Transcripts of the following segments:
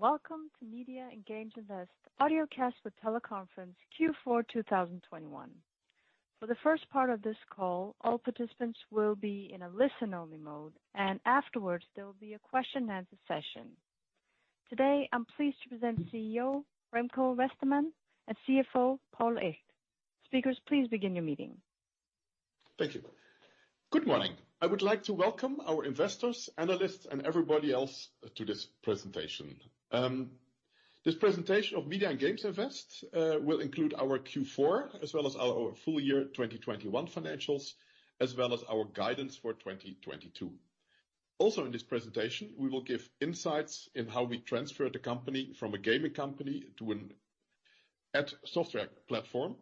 Welcome to Media and Games Invest Audiocast for Teleconference Q4 2021. For the first part of this call, all participants will be in a listen-only mode, and afterwards, there will be a question and answer session. Today, I'm pleased to present Chief Executive Officer Remco Westermann and Chief Financial Officer Paul Echt. Speakers, please begin your meeting. Thank you. Good morning. I would like to welcome our investors, analysts, and everybody else to this presentation. This presentation of Media and Games Invest will include our Q4 as well as our full year 2021 financials as well as our guidance for 2022. Also in this presentation, we will give insights in how we transfer the company from a gaming company to an ad software platform.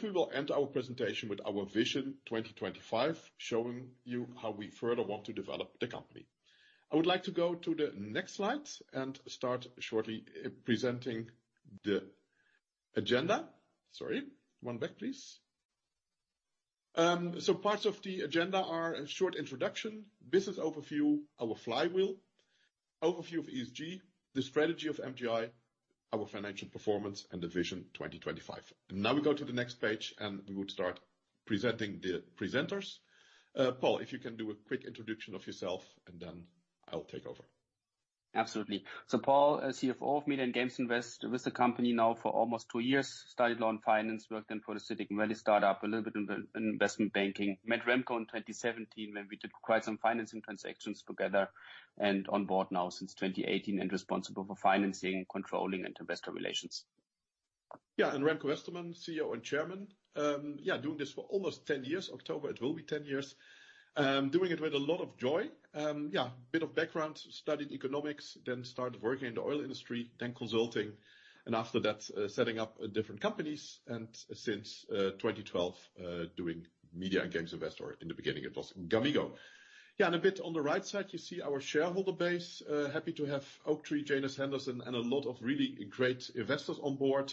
We will end our presentation with our vision 2025, showing you how we further want to develop the company. I would like to go to the next slide and start shortly presenting the agenda. Parts of the agenda are a short introduction, business overview, our flywheel, overview of ESG, the strategy of MGI, our financial performance, and the vision 2025. Now we go to the next page, and we would start presenting the presenters. Paul, if you can do a quick introduction of yourself, and then I will take over. Absolutely. Paul, Chief Financial Officer of Media and Games Invest. With the company now for almost two years. Started in law and finance, worked for a Silicon Valley startup, a little bit in investment banking. Met Remco in 2017 when we did quite some financing transactions together and on board now since 2018 and responsible for financing, controlling, and investor relations. Remco Westermann, Chief Executive Officer and Chairman. Doing this for almost 10 years. October, it will be 10 years. Doing it with a lot of joy. Bit of background. Studied economics, then started working in the oil industry, then consulting, and after that, setting up different companies, and since 2012, doing Media and Games Invest, or in the beginning it was gamigo. A bit on the right side, you see our shareholder base. Happy to have Oaktree, Janus Henderson, and a lot of really great investors on board.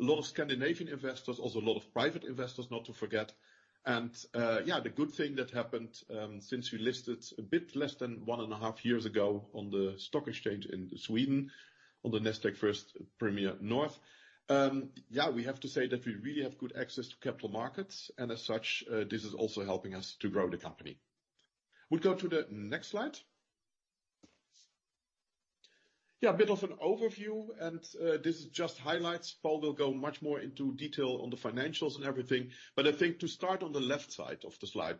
A lot of Scandinavian investors, also a lot of private investors, not to forget. The good thing that happened since we listed a bit less than 1.5 years ago on the stock exchange in Sweden, on the Nasdaq First North Premier. We have to say that we really have good access to capital markets, and as such, this is also helping us to grow the company. We go to the next slide. A bit of an overview, and this is just highlights. Paul will go much more into detail on the financials and everything. I think to start on the left side of the slide.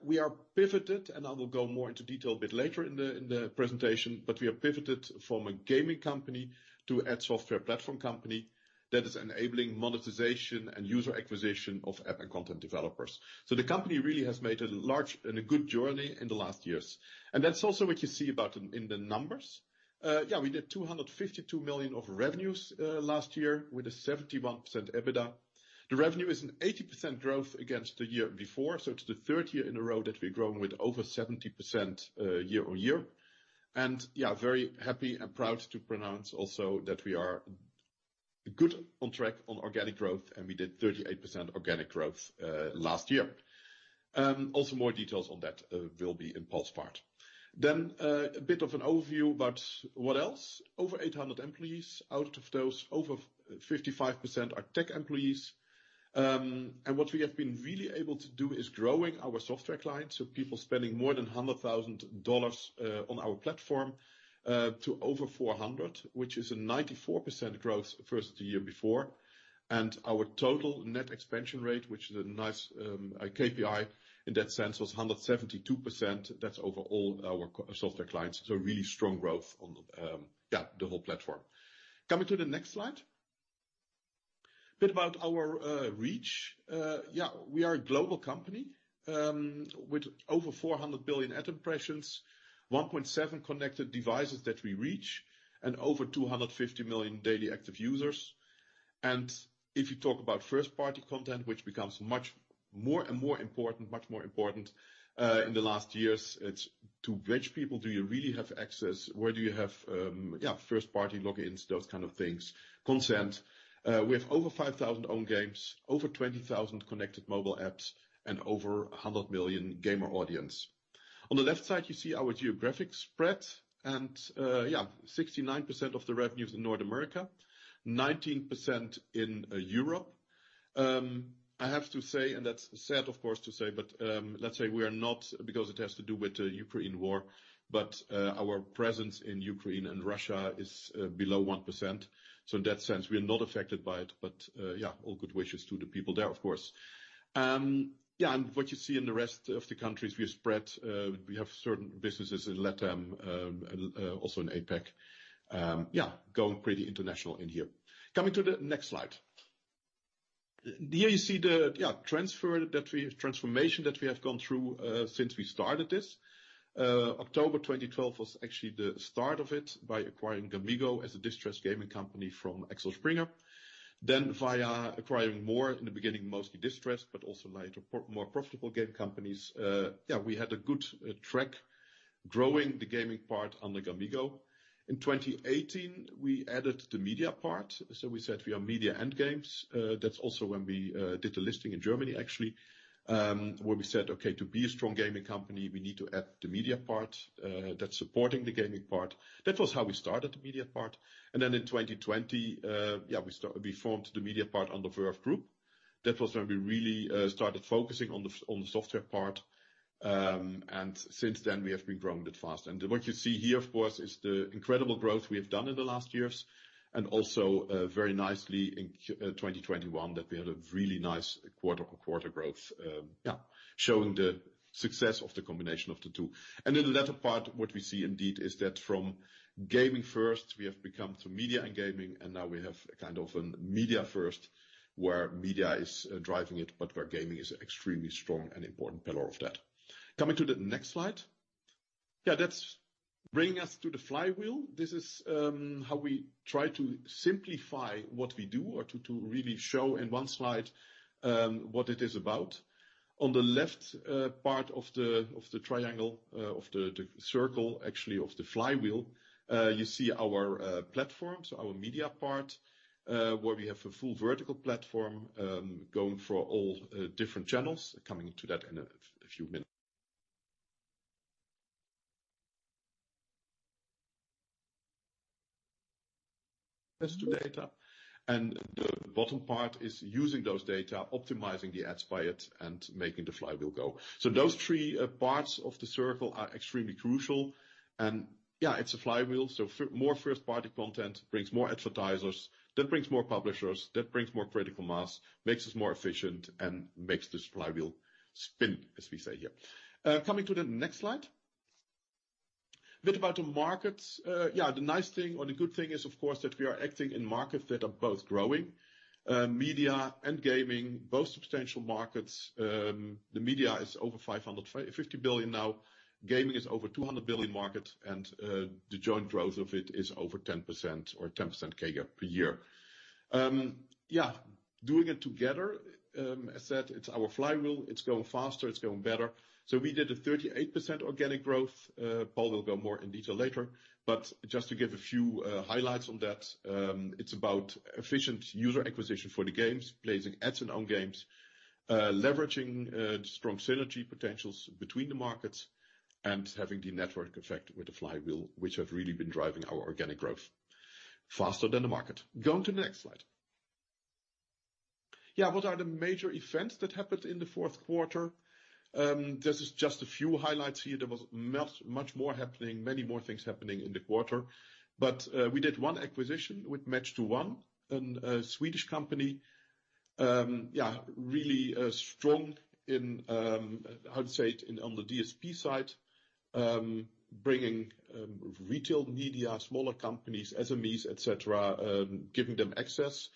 We are pivoted, and I will go more into detail a bit later in the presentation. We are pivoted from a gaming company to ad software platform company that is enabling monetization and user acquisition of app and content developers. The company really has made a large and a good journey in the last years, and that's also what you see about in the numbers. Yeah, we did 252 million of revenues last year with a 71% EBITDA. The revenue is an 80% growth against the year before, so it's the third year in a row that we've grown with over 70% year-on-year. Yeah, very happy and proud to announce also that we are on track on organic growth, and we did 38% organic growth last year. Also more details on that will be in Paul's part. A bit of an overview about what else. Over 800 employees. Out of those, over 55% are tech employees. What we have been really able to do is growing our software clients, so people spending more than $100,000 on our platform to over 400, which is a 94% growth versus the year before. Our total net expansion rate, which is a nice KPI in that sense, was 172%. That's over all our SaaS-software clients., really strong growth on the whole platform. Coming to the next slide. A bit about our reach. Yeah, we are a global company with over 400 billion ad impressions, 1.7 billion connected devices that we reach, and over 250 million daily active users. If you talk about first-party content, which becomes much more important in the last years, it's to which people do you really have access? Where do you have first-party logins, those kind of things. Consent. We have over 5,000 own games, over 20,000 connected mobile apps, and over 100 million gamer audience. On the left side, you see our geographic spread, and 69% of the revenue is in North America, 19% in Europe. I have to say, and that's sad of course to say, but let's say we are not because it has to do with the Ukraine war, but our presence in Ukraine and Russia is below 1%. So in that sense, we are not affected by it. Yeah, all good wishes to the people there, of course. What you see in the rest of the countries, we are spread. We have certain businesses in LATAM, and also in APAC. Going pretty international in here. Coming to the next slide. Here you see the transformation that we have gone through since we started this. October 2012 was actually the start of it by acquiring gamigo as a distressed gaming company from Axel Springer. Then via acquiring more, in the beginning, mostly distressed, but also later more profitable game companies. We had a good track growing the gaming part under gamigo. In 2018, we added the media part, we said we are media and games. That's also when we did the listing in Germany actually, where we said, "Okay, to be a strong gaming company, we need to add the media part, that's supporting the gaming part." That was how we started the media part. Then in 2020, yeah, we formed the media part under Verve Group. That was when we really started focusing on the software part. Since then we have been growing it fast. What you see here, of course, is the incredible growth we have done in the last years and also very nicely in 2021 that we had a really nice quarter-over-quarter growth, showing the success of the combination of the two. In the latter part, what we see indeed is that from gaming first, we have become to media and gaming, and now we have kind of a media first where media is driving it, but where gaming is extremely strong and important pillar of that. Coming to the next slide. Yeah, that's bringing us to the flywheel. This is how we try to simplify what we do or to really show in one slide what it is about. On the left part of the triangle of the circle actually of the flywheel, you see our platforms, our media part, where we have a full vertical platform going for all different channels. Coming to that in a few minutes. As to data. The bottom part is using those data, optimizing the ads by it, and making the flywheel go. Those three parts of the circle are extremely crucial. Yeah, it's a flywheel. More first party content brings more advertisers, that brings more publishers, that brings more critical mass, makes us more efficient, and makes this flywheel spin, as we say here. Coming to the next slide. A bit about the markets. The nice thing or the good thing is, of course, that we are acting in markets that are both growing. Media and gaming, both substantial markets. The media is over 50 billion now. Gaming is over 200 billion market, and the joint growth of it is over 10% or 10% CAGR per year. Doing it together, as said, it's our flywheel. It's going faster, it's going better. We did a 38% organic growth. Paul will go more in detail later. Just to give a few highlights on that, it's about efficient user acquisition for the games, placing ads in own games, leveraging strong synergy potentials between the markets and having the network effect with the flywheel, which have really been driving our organic growth faster than the market. Going to the next slide. Yeah, what are the major events that happened in the fourth quarter? This is just a few highlights here. There was much more happening, many more things happening in the quarter. We did one acquisition with Match2One, a Swedish company. Yeah, really strong in how to say it? And on the DSP side, bringing retail media, smaller companies, SMEs, et cetera, giving them access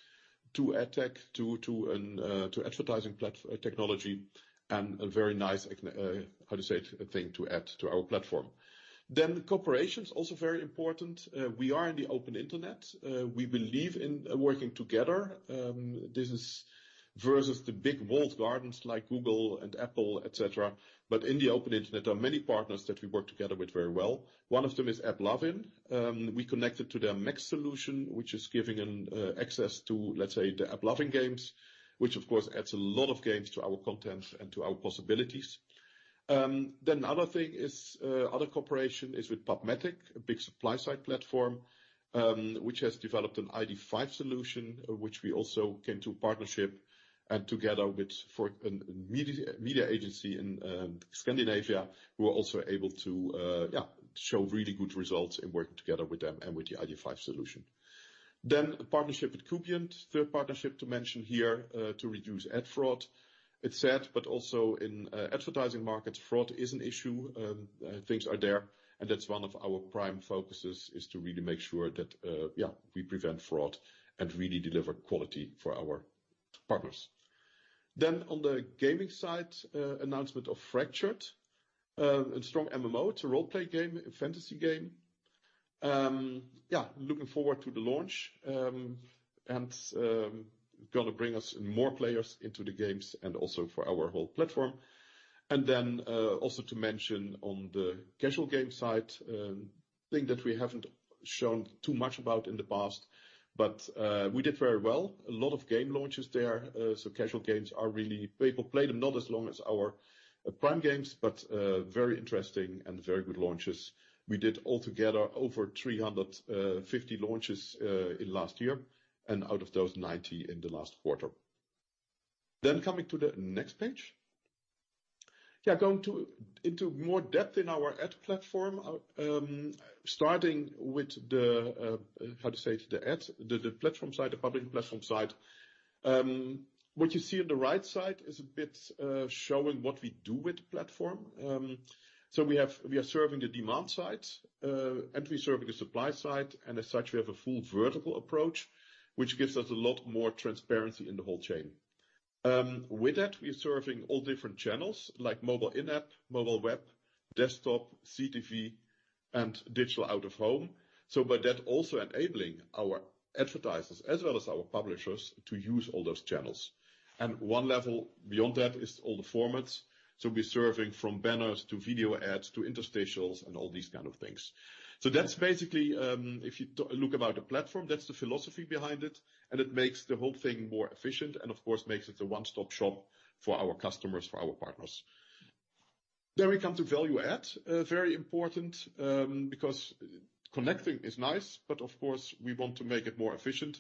to ad tech, to advertising technology, and a very nice thing to add to our platform. The corporations are also very important. We are in the open internet. We believe in working together. This is versus the big walled gardens like Google and Apple, et cetera. In the open internet, there are many partners that we work together with very well. One of them is AppLovin. We connected to their MAX solution, which is giving an access to, let's say, the AppLovin games, which of course adds a lot of games to our content and to our possibilities. Other cooperation is with PubMatic, a big supply-side platform, which has developed an ID5 solution, which we also came to a partnership and together with a media agency in Scandinavia, we were also able to show really good results in working together with them and with the ID5 solution. Partnership with Kubient, third partnership to mention here, to reduce ad fraud. It's sad, but also in advertising markets, fraud is an issue. Things are there, and that's one of our prime focuses is to really make sure that we prevent fraud and really deliver quality for our partners. On the gaming side, announcement of Fractured, a strong MMO. It's a role-play game, a fantasy game. Yeah, looking forward to the launch and gonna bring us more players into the games and also for our whole platform. Also to mention on the casual game side, thing that we haven't shown too much about in the past, but we did very well. A lot of game launches there. So casual games are really interesting. People play them not as long as our prime games, but very interesting and very good launches. We did altogether over 350 launches in last year, and out of those, 90 in the last quarter. Coming to the next page. Yeah, going into more depth in our ad platform. Starting with the, how to say it? The ad platform side, the publishing platform side. What you see on the right side is a bit showing what we do with the platform. We are serving the demand side and we serve the supply side. As such, we have a full vertical approach, which gives us a lot more transparency in the whole chain. With that, we're serving all different channels like mobile in-app, mobile web, desktop, CTV, and digital out-of-home. By that, also enabling our advertisers as well as our publishers to use all those channels. One level beyond that is all the formats. We're serving from banners to video ads to interstitials and all these kind of things. That's basically, if you look about the platform, that's the philosophy behind it, and it makes the whole thing more efficient and of course, makes it a one-stop shop for our customers, for our partners. We come to value add. Very important, because connecting is nice, but of course, we want to make it more efficient.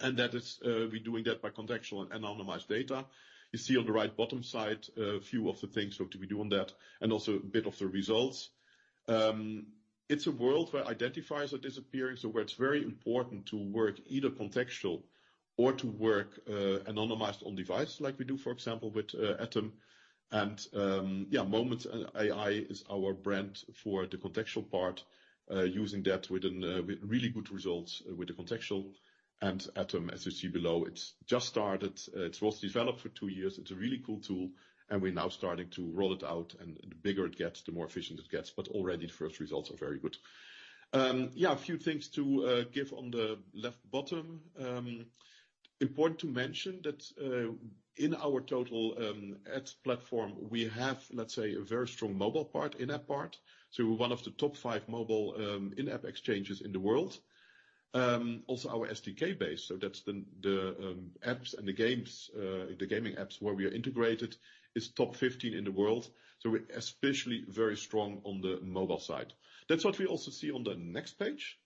That is, we're doing that by contextual and anonymized data. You see on the right bottom side a few of the things what we do on that, and also a bit of the results. It's a world where identifiers are disappearing, so where it's very important to work either contextual or to work, anonymized on device like we do, for example, with ATOM. Moments.AI is our brand for the contextual part, using that we didn't. With really good results with the contextual and ATOM. As you see below, it's just started, it was developed for two years, it's a really cool tool, and we're now starting to roll it out, and the bigger it gets, the more efficient it gets. Already the first results are very good. A few things to give on the left bottom. Important to mention that in our total ads platform, we have, let's say, a very strong mobile part, in-app part. One of the top five mobile in-app exchanges in the world. Also our SDK base, so that's the apps and the games, the gaming apps where we are integrated, is top 15 in the world. We're especially very strong on the mobile side. That's what we also see on the next page.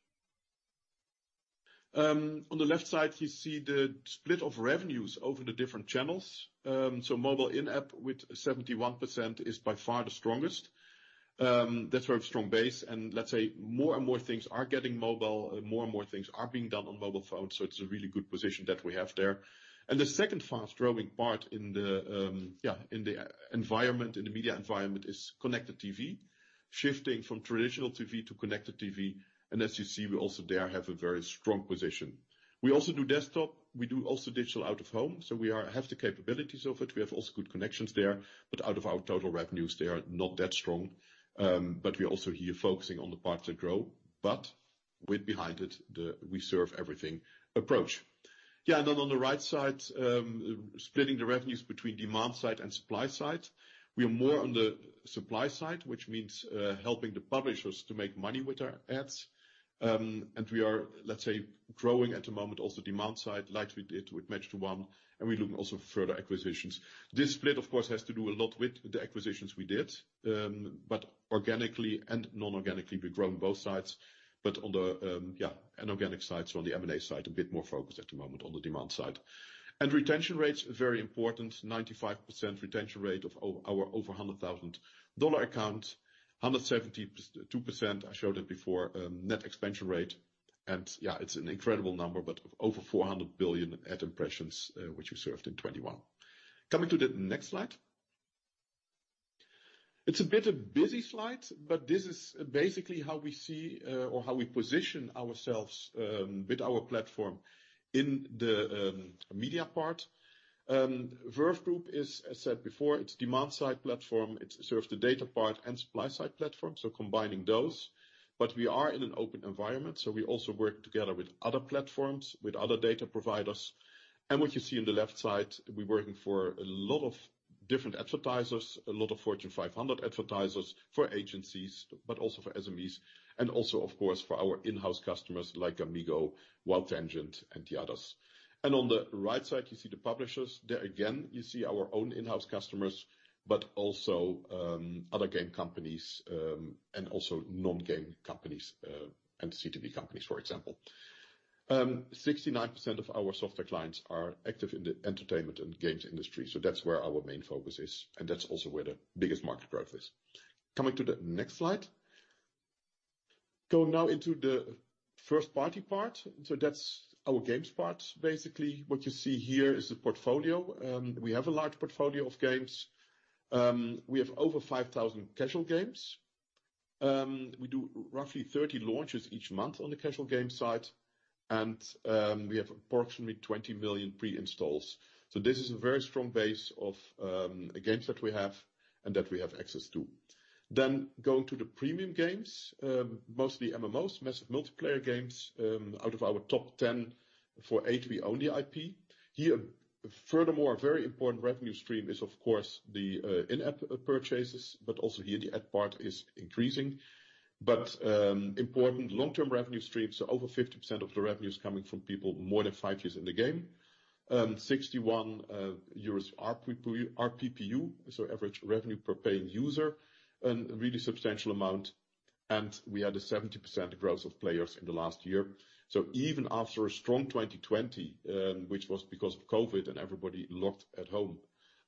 On the left side, you see the split of revenues over the different channels. Mobile in-app with 71% is by far the strongest. That's a very strong base. Let's say more and more things are getting mobile, and more and more things are being done on mobile phones, so it's a really good position that we have there. The second fastest-growing part in the environment, in the media environment is connected TV, shifting from traditional TV to connected TV. As you see, we also there have a very strong position. We also do desktop. We also do digital out-of-home, so we have the capabilities of it. We have also good connections there, but out of our total revenues, they are not that strong. We're also here focusing on the parts that grow, but with behind it, the we serve everything approach. Then on the right side, splitting the revenues between demand side and supply side. We are more on the supply side, which means helping the publishers to make money with our ads. We are, let's say, growing at the moment also demand side, like we did with Match2One, and we look also further acquisitions. This split, of course, has to do a lot with the acquisitions we did. Organically and non-organically, we grow on both sides. On the, yeah, an organic side, so on the M&A side, a bit more focused at the moment on the demand side. Retention rates are very important. 95% retention rate of our over $100,000 account. 172%, I showed it before, net expansion rate. Yeah, it's an incredible number, but over 400 billion ad impressions, which we served in 2021. Coming to the next slide. It's a bit of a busy slide, but this is basically how we see, or how we position ourselves, with our platform in the media part. Verve Group is, as said before, it's demand-side platform. It serves the data part and supply-side platform, so combining those. We are in an open environment, so we also work together with other platforms, with other data providers. What you see on the left side, we're working for a lot of different advertisers, a lot of Fortune 500 advertisers, for agencies, but also for SMEs. Also, of course, for our in-house customers like gamigo, WildTangent, and the others. On the right side, you see the publishers. There again, you see our own in-house customers, but also, other game companies, and also non-game companies, and CTV companies, for example. 69% of our software clients are active in the entertainment and games industry. That's where our main focus is, and that's also where the biggest market growth is. Coming to the next slide. Go now into the first-party part. That's our games part. Basically, what you see here is the portfolio. We have a large portfolio of games. We have over 5,000 casual games. We do roughly 30 launches each month on the casual games side. We have approximately 20 million pre-installs. This is a very strong base of games that we have and that we have access to. Going to the premium games, mostly MMOs, massive multiplayer games. Out of our top 10, for 8 we own the IP. Here, furthermore, a very important revenue stream is of course the in-app purchases, but also here the ad part is increasing. Important long-term revenue streams are over 50% of the revenues coming from people more than 5 years in the game. 61 euros RPPU, so average revenue per paying user, a really substantial amount. We had a 70% growth of players in the last year. Even after a strong 2020, which was because of COVID and everybody locked at home,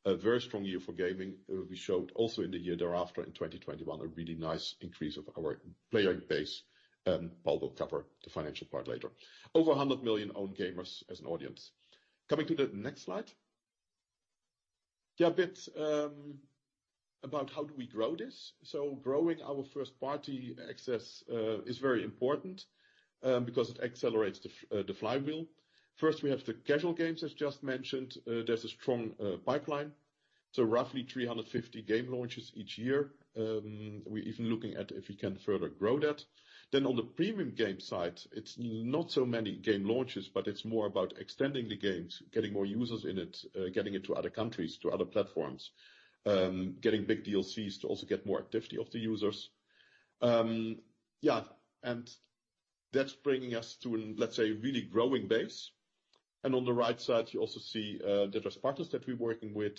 a very strong year for gaming. We showed also in the year thereafter, in 2021, a really nice increase of our player base. Paul will cover the financial part later. Over 100 million own gamers as an audience. Coming to the next slide. Yeah, a bit about how do we grow this. Growing our first party access is very important because it accelerates the flywheel. First, we have the casual games, as just mentioned. There's a strong pipeline. Roughly 350 game launches each year. We're even looking at if we can further grow that. Then on the premium game side, it's not so many game launches, but it's more about extending the games, getting more users in it, getting it to other countries, to other platforms, getting big DLCs to also get more activity of the users. That's bringing us to, let's say, a really growing base. On the right side, you also see different partners that we're working with,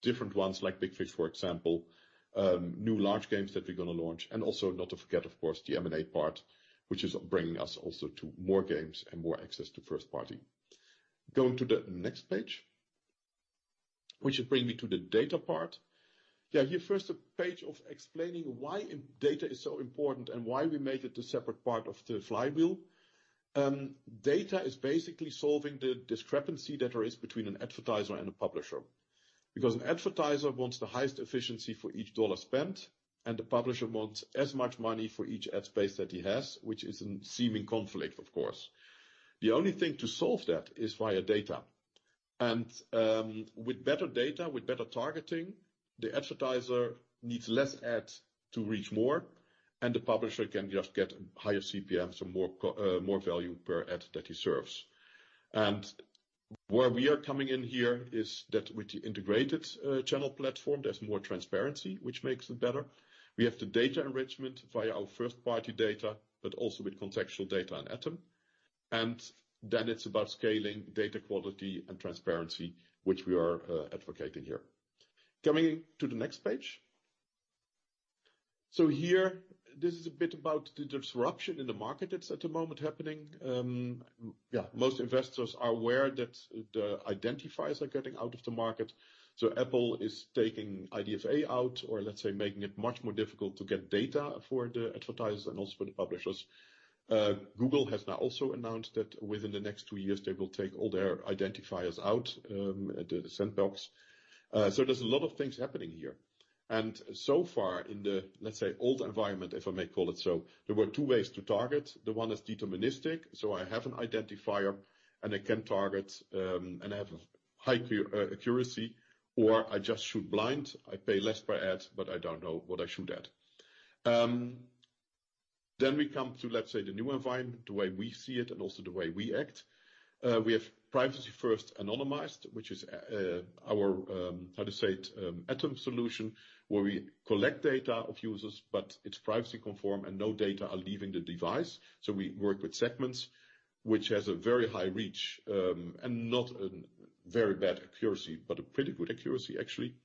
different ones like Big Fish, for example, new large games that we're gonna launch and also not to forget, of course, the M&A part, which is bringing us also to more games and more access to first party. Going to the next page, which will bring me to the data part. Here first a page of explaining why data is so important and why we made it a separate part of the flywheel. Data is basically solving the discrepancy that there is between an advertiser and a publisher. Because an advertiser wants the highest efficiency for each dollar spent, and the publisher wants as much money for each ad space that he has, which is in seeming conflict, of course. The only thing to solve that is via data. With better data, with better targeting, the advertiser needs less ads to reach more, and the publisher can just get higher CPM, so more value per ad that he serves. Where we are coming in here is that with the integrated channel platform, there's more transparency, which makes it better. We have the data enrichment via our first-party data, but also with contextual data and ATOM. Then it's about scaling data quality and transparency, which we are advocating here. Going to the next page. Here, this is a bit about the disruption in the market that's at the moment happening. Most investors are aware that the identifiers are getting out of the market. Apple is taking IDFA out or let's say, making it much more difficult to get data for the advertisers and also for the publishers. Google has now also announced that within the next 2 years, they will take all their identifiers out, the sandbox. There's a lot of things happening here. So far in the, let's say, old environment, if I may call it so, there were two ways to target. The one is deterministic, so I have an identifier and I can target, and I have high accuracy, or I just shoot blind. I pay less per ad, but I don't know what I shoot at. We come to, let's say, the new environment, the way we see it and also the way we act. We have privacy-first anonymized, which is our ATOM solution, where we collect data of users, but it's privacy compliant and no data are leaving the device. We work with segments, which has a very high reach, and not a very bad accuracy, but a pretty good accuracy, actually.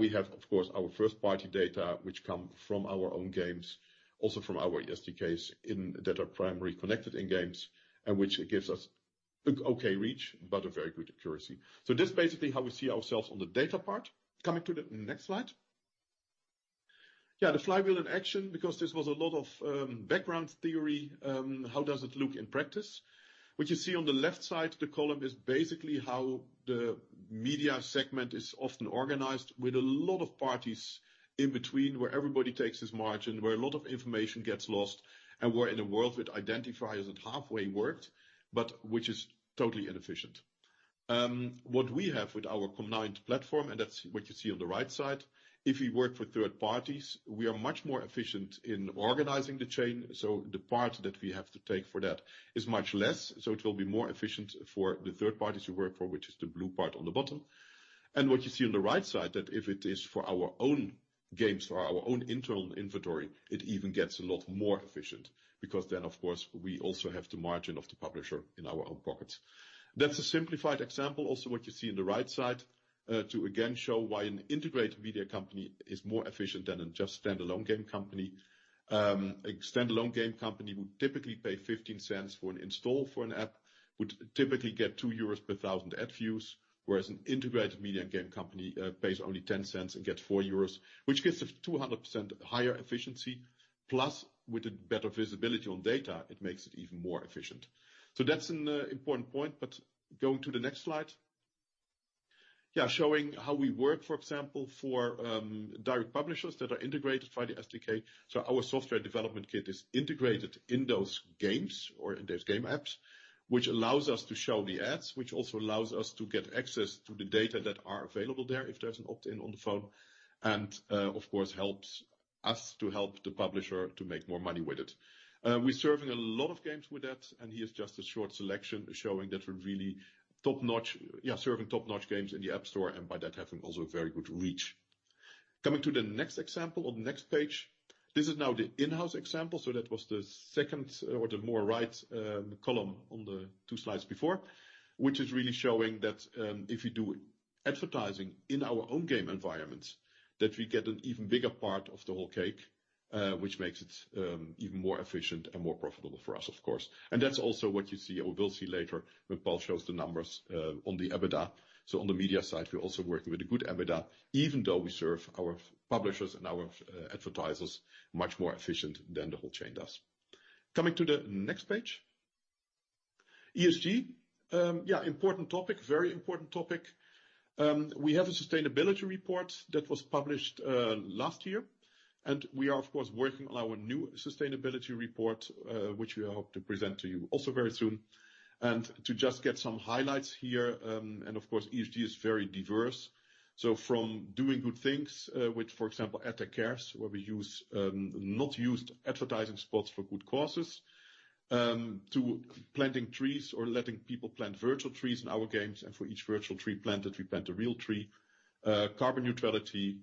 We have, of course, our first-party data, which come from our own games, also from our SDKs that are primarily connected in games, and which gives us okay reach, but a very good accuracy. This is basically how we see ourselves on the data part. Coming to the next slide. The flywheel in action because this was a lot of background theory. How does it look in practice? What you see on the left side, the column is basically how the media segment is often organized with a lot of parties in between where everybody takes his margin, where a lot of information gets lost, and we're in a world with identifiers that halfway worked, but which is totally inefficient. What we have with our combined platform, and that's what you see on the right side. If we work with third parties, we are much more efficient in organizing the chain. The part that we have to take for that is much less. It will be more efficient for the third parties we work for, which is the blue part on the bottom. What you see on the right side, that if it is for our own games or our own internal inventory, it even gets a lot more efficient because then of course, we also have the margin of the publisher in our own pockets. That's a simplified example. Also, what you see on the right side, to again show why an integrated media company is more efficient than a just standalone game company. A standalone game company would typically pay 0.15 for an install for an app, would typically get 2 euros per thousand ad views, whereas an integrated media and game company, pays only 0.10 and gets 4 euros, which gives a 200% higher efficiency. Plus, with a better visibility on data, it makes it even more efficient. That's an important point. Going to the next slide. Yeah, showing how we work, for example, for direct publishers that are integrated via the SDK. Our software development kit is integrated in those games or in those game apps, which allows us to show the ads, which also allows us to get access to the data that are available there if there's an opt-in on the phone, and of course, helps us to help the publisher to make more money with it. We're serving a lot of games with that, and here's just a short selection showing that we're really top-notch. Yeah, serving top-notch games in the App Store and by that having also a very good reach. Coming to the next example on the next page. This is now the in-house example. That was the second or the more right column on the two slides before, which is really showing that, if you do advertising in our own game environments, that we get an even bigger part of the whole cake, which makes it, even more efficient and more profitable for us, of course. That's also what you see or will see later when Paul shows the numbers, on the EBITDA. On the media side, we're also working with a good EBITDA, even though we serve our publishers and our, advertisers much more efficient than the whole chain does. Coming to the next page. ESG. Yeah, important topic. Very important topic. We have a sustainability report that was published last year, and we are, of course, working on our new sustainability report, which we hope to present to you also very soon. To just get some highlights here, and of course, ESG is very diverse. From doing good things with, for example, where we use unused advertising spots for good causes, to planting trees or letting people plant virtual trees in our games, and for each virtual tree planted, we plant a real tree. Carbon neutrality,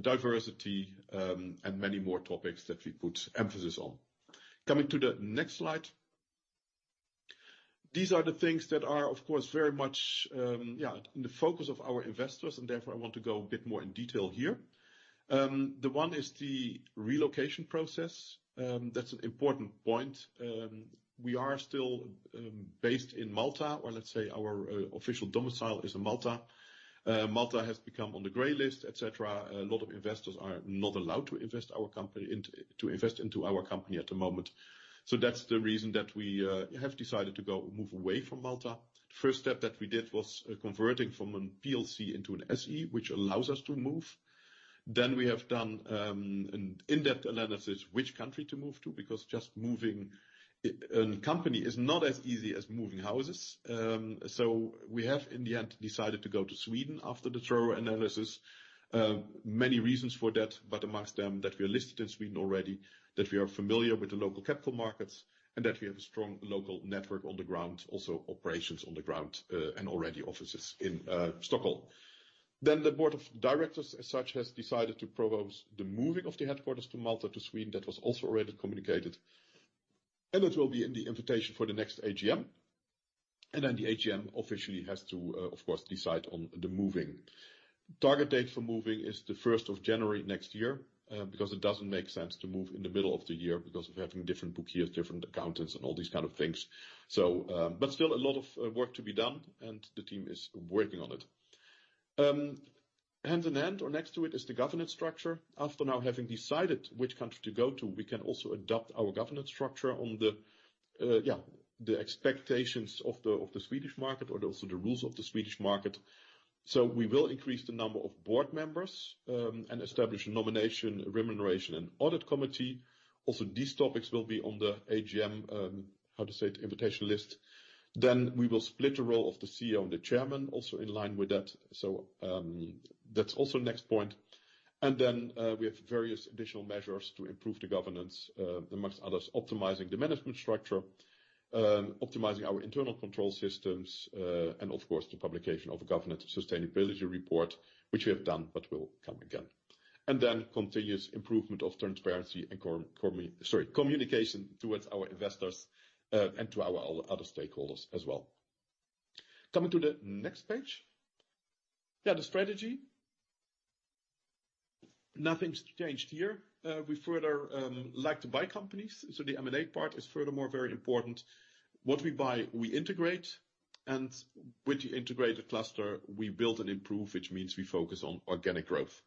diversity, and many more topics that we put emphasis on. Coming to the next slide. These are the things that are, of course, very much the focus of our investors, and therefore I want to go a bit more in detail here. The one is the relocation process. That's an important point. We are still based in Malta, or let's say our official domicile is in Malta. Malta has become on the grey list, et cetera. A lot of investors are not allowed to invest into our company at the moment. That's the reason that we have decided to move away from Malta. First step that we did was converting from a PLC into an SE, which allows us to move. We have done an in-depth analysis which country to move to because just moving a company is not as easy as moving houses. We have in the end decided to go to Sweden after the thorough analysis. Many reasons for that, but among them that we are listed in Sweden already, that we are familiar with the local capital markets, and that we have a strong local network on the ground, also operations on the ground, and already offices in Stockholm. The board of directors, as such, has decided to propose the moving of the headquarters from Malta to Sweden. That was also already communicated, and it will be in the invitation for the next AGM. The AGM officially has to, of course, decide on the moving. Target date for moving is the first of January next year, because it doesn't make sense to move in the middle of the year because of having different book years, different accountants, and all these kind of things. Still a lot of work to be done, and the team is working on it. Hand in hand or next to it is the governance structure. After now having decided which country to go to, we can also adopt our governance structure on the expectations of the Swedish market or also the rules of the Swedish market. We will increase the number of board members and establish a nomination, remuneration, and audit committee. Also, these topics will be on the AGM, how to say it, invitation list. We will split the role of the Chief Executive Officer and the chairman also in line with that. That's also next point. We have various additional measures to improve the governance, among others, optimizing the management structure, optimizing our internal control systems, and of course, the publication of a governance sustainability report, which we have done, but will come again. Continuous improvement of transparency and communication towards our investors, and to our other stakeholders as well. Coming to the next page. Yeah, the strategy. Nothing's changed here. We further like to buy companies, so the M&A part is furthermore very important. What we buy, we integrate, and with the integrated cluster, we build and improve, which means we focus on organic growth.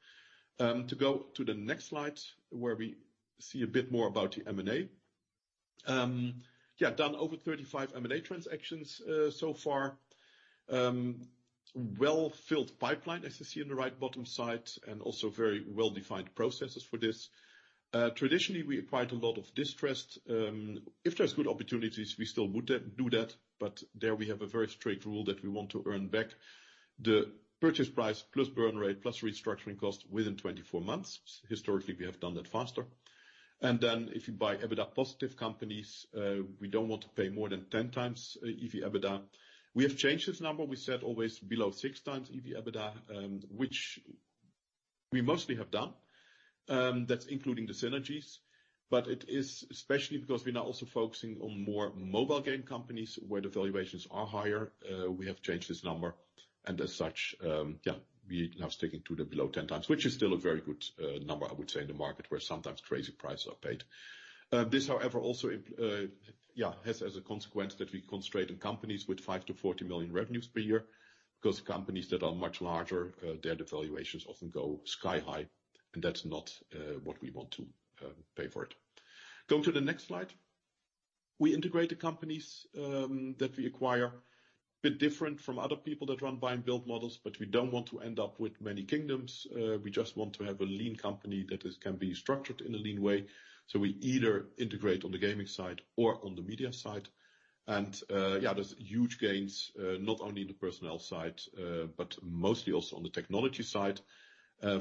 To go to the next slide, where we see a bit more about the M&A. Done over 35 M&A transactions so far. Well-filled pipeline, as you see in the right bottom side, and also very well-defined processes for this. Traditionally, we acquired a lot of distressed. If there's good opportunities, we still would do that, but there we have a very strict rule that we want to earn back the purchase price plus burn rate, plus restructuring cost within 24 months. Historically, we have done that faster. If you buy positive companies, we don't want to pay more than 10x EV/EBITDA. We have changed this number. We said always below 6x EV/EBITDA, which we mostly have done that's including the synergies, but it is especially because we're now also focusing on more mobile game companies where the valuations are higher. We have changed this number, as such, we now sticking to the below 10x, which is still a very good number, I would say, in the market, where sometimes crazy prices are paid. This, however, also has as a consequence that we concentrate in companies with 5 million-40 million revenues per year. Because companies that are much larger, their valuations often go sky high, and that's not what we want to pay for it. Go to the next slide. We integrate the companies that we acquire. Bit different from other people that run buy and build models, but we don't want to end up with many kingdoms. We just want to have a lean company that can be structured in a lean way. We either integrate on the gaming side or on the media side. There's huge gains, not only in the personnel side, but mostly also on the technology side,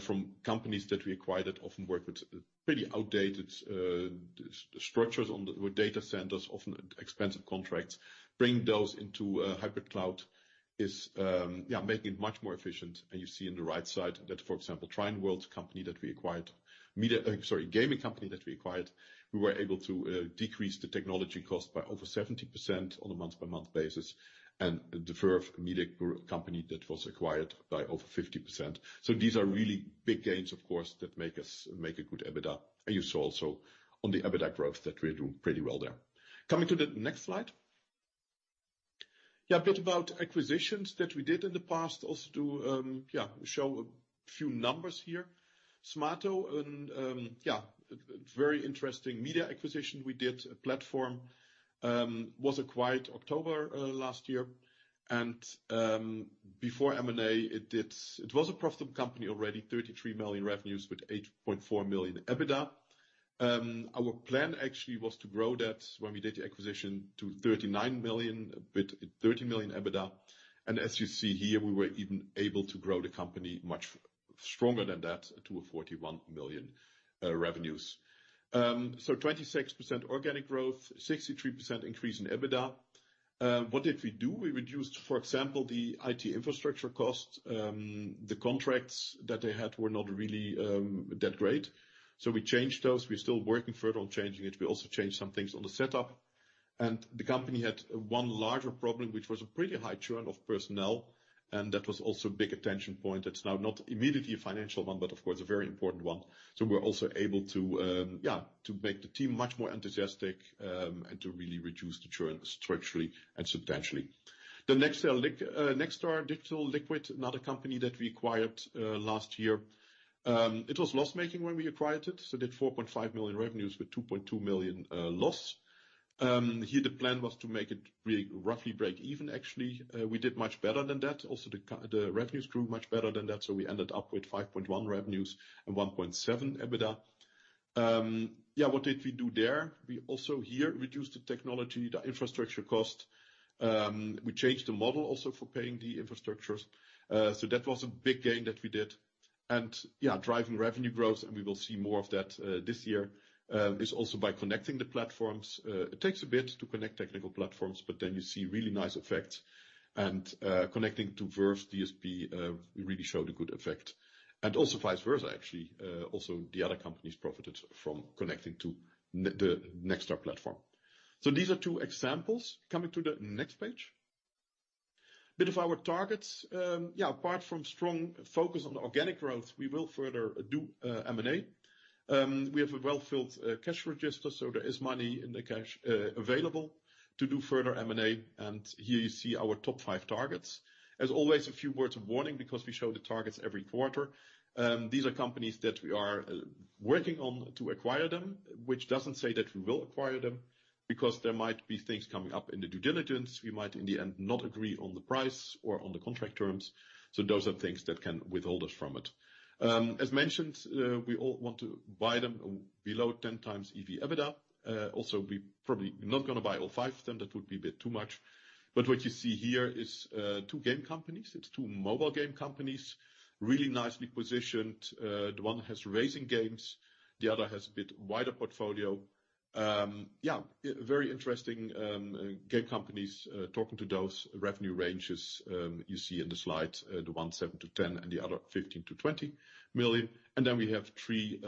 from companies that we acquired that often work with pretty outdated structures with data centers, often expensive contracts. Bringing those into a hybrid cloud is making it much more efficient. You see in the right side that, for example, Trion Worlds' company that we acquired, gaming company that we acquired, we were able to decrease the technology cost by over 70% on a month-over-month basis. The Verve Media company that was acquired by over 50%. These are really big gains, of course, that make us a good EBITDA. You saw also on the EBITDA growth that we're doing pretty well there. Coming to the next slide. Yeah, a bit about acquisitions that we did in the past. Also to show a few numbers here. Smaato and very interesting media acquisition we did. A platform was acquired October last year. Before M&A, it was a profitable company already, 33 million revenues with 8.4 million EBITDA. Our plan actually was to grow that when we did the acquisition to 39 million, with 30 million EBITDA. As you see here, we were even able to grow the company much stronger than that to 41 million revenues. 26% organic growth, 63% increase in EBITDA. What did we do? We reduced, for example, the IT infrastructure costs. The contracts that they had were not really that great. We changed those. We're still working further on changing it. We also changed some things on the setup. The company had one larger problem, which was a pretty high churn of personnel, and that was also a big attention point. It's now not immediately a financial one, but of course, a very important one. We're also able to make the team much more enthusiastic, and to really reduce the churn structurally and substantially. Nexstar Digital, another company that we acquired last year. It was loss-making when we acquired it, so did 4.5 million revenues with 2.2 million loss. Here the plan was to make it really roughly break even. Actually, we did much better than that. Also, the revenues grew much better than that, so we ended up with 5.1 million revenues and 1.7 million EBITDA. Yeah, what did we do there? We also here reduced the technology, the infrastructure cost. We changed the model also for paying the infrastructures. So that was a big gain that we did. Yeah, driving revenue growth, and we will see more of that this year is also by connecting the platforms. It takes a bit to connect technical platforms, but then you see really nice effects. Connecting to Verve DSP really showed a good effect. Also vice versa actually, also the other companies profited from connecting to the Nexstar platform. So these are two examples. Coming to the next page. A bit of our targets. Yeah, apart from strong focus on organic growth, we will further do M&A. We have a well-filled cash register, so there is money in the cash available to do further M&A. Here you see our top five targets, as always, a few words of warning because we show the targets every quarter. These are companies that we are working on to acquire them, which doesn't say that we will acquire them because there might be things coming up in the due diligence. We might in the end not agree on the price or on the contract terms. Those are things that can withhold us from it. As mentioned, we all want to buy them below 10x EV/EBITDA. Also, we probably not gonna buy all five of them. That would be a bit too much. What you see here is two game companies. It's two mobile game companies, really nicely positioned. The one has racing games, the other has a bit wider portfolio. Yeah, very interesting game companies. Talking to those revenue ranges, you see in the slide, the one, 7 million-10 million, and the other, 15 million-20 million. Then we have three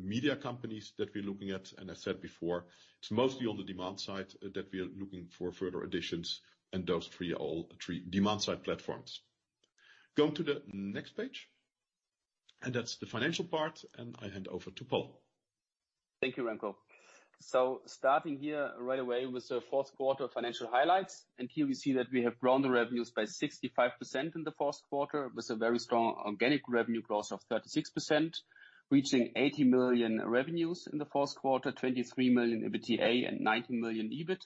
media companies that we're looking at. I said before, it's mostly on the demand side that we are looking for further additions, and those three are all three demand side platforms. Go to the next page, that's the financial part, and I hand over to Paul. Thank you, Remco. Starting here right away with the fourth quarter financial highlights. Here we see that we have grown the revenues by 65% in the fourth quarter. It was a very strong organic revenue growth of 36%, reaching 80 million revenues in the fourth quarter, 23 million EBITDA and 19 million EBIT,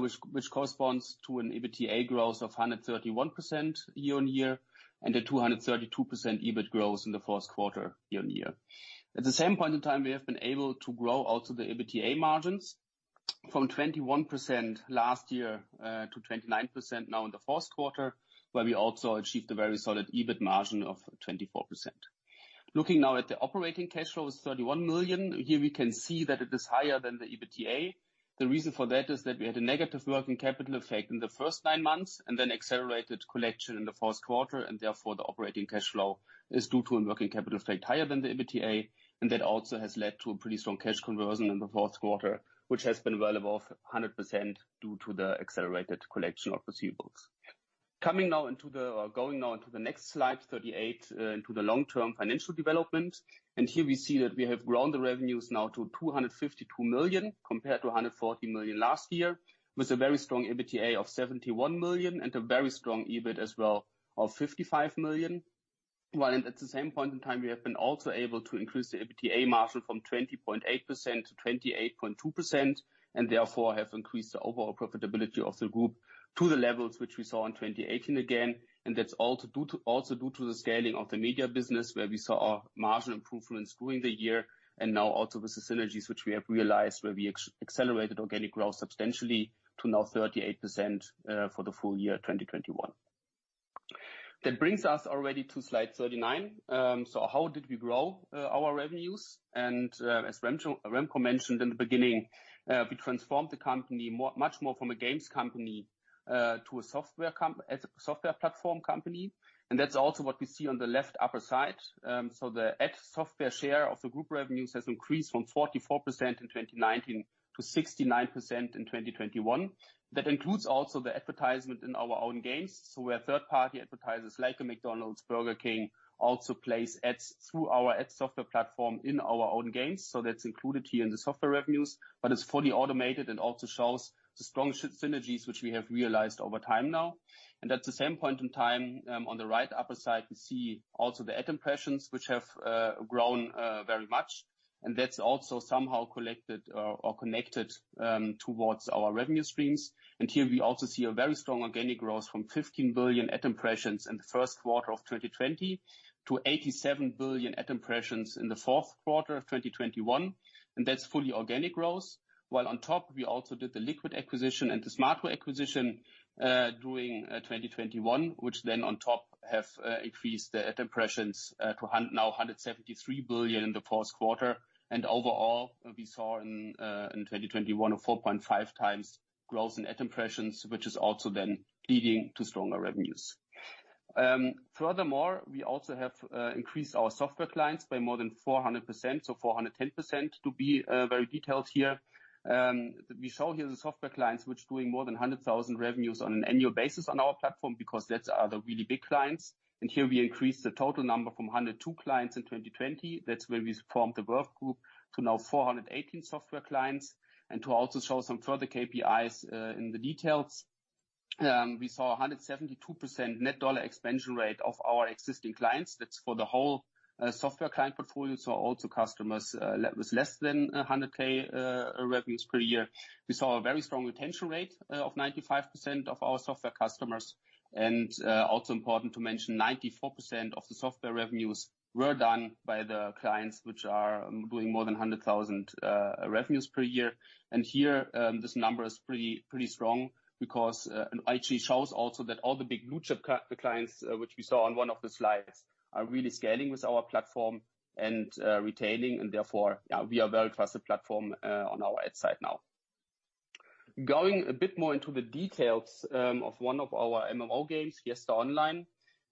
which corresponds to an EBITDA growth of 131% year-over-year, and a 232% EBITDA growth in the fourth quarter year-over-year. At the same point in time, we have been able to grow also the EBITDA margins from 21% last year to 29% now in the fourth quarter, where we also achieved a very solid EBITDA margin of 24%. Looking now at the operating cash flow is 31 million. Here we can see that it is higher than the EBITDA. The reason for that is that we had a negative working capital effect in the first 9 months and then accelerated collection in the fourth quarter and therefore the operating cash flow is due to a working capital effect higher than the EBITDA. That also has led to a pretty strong cash conversion in the fourth quarter, which has been well above 100% due to the accelerated collection of receivables. Going now into the next slide, 38, into the long-term financial development. Here we see that we have grown the revenues now to 252 million compared to 140 million last year, with a very strong EBITDA of 71 million and a very strong EBITDA as well of 55 million. While at the same point in time, we have been also able to increase the EBITDA margin from 20.8% to 28.2%, and therefore have increased the overall profitability of the group to the levels which we saw in 2018 again. That's all also due to the scaling of the media business, where we saw our margin improvements during the year and now also with the synergies which we have realized, where we accelerated organic growth substantially to now 38%, for the full year 2021. That brings us already to slide 39. So how did we grow our revenues? As Remco mentioned in the beginning, we transformed the company much more from a games company to a software platform company. That's also what we see on the left upper side. The ad software share of the group revenues has increased from 44% in 2019 to 69% in 2021. That includes also the advertisement in our own games. Where third-party advertisers like McDonald's, Burger King also place ads through our ad software platform in our own games. That's included here in the software revenues. It's fully automated and also shows the strong synergies which we have realized over time now. At the same point in time, on the right upper side, we see also the ad impressions, which have grown very much. That's also somehow collected or connected towards our revenue streams. Here we also see a very strong organic growth from 15 billion ad impressions in the first quarter of 2020 to 87 billion ad impressions in the fourth quarter of 2021. That's fully organic growth. While on top, we also did the LKQD acquisition and the Smaato acquisition during 2021, which then on top have increased the ad impressions to now 173 billion in the first quarter. Overall, we saw in 2021 a 4.5 times growth in ad impressions, which is also then leading to stronger revenues. Furthermore, we also have increased our software clients by more than 400%, so 410% to be very detailed here. We saw here the software clients, which doing more than 100,000 revenues on an annual basis on our platform because those are the really big clients. Here we increased the total number from 102 clients in 2020. That's where we formed the Verve Group to now 418 software clients and to also show some further KPIs in the details. We saw a 172% net dollar expansion rate of our existing clients. That's for the whole software client portfolio. Also customers with less than 100,000 revenues per year. We saw a very strong retention rate of 95% of our software customers. Also important to mention, 94% of the software revenues were done by the clients which are doing more than 100,000 revenues per year. Here, this number is pretty strong because it actually shows also that all the big blue chip clients, which we saw on one of the slides, are really scaling with our platform and retaining, and therefore we are very trusted platform on our ad side now. Going a bit more into the details of one of our MMO games, Fiesta Online,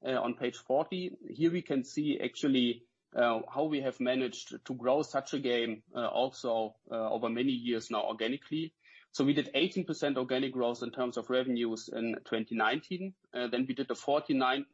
on page 40. Here we can see actually how we have managed to grow such a game also over many years now organically. We did 18% organic growth in terms of revenues in 2019. We did a 49%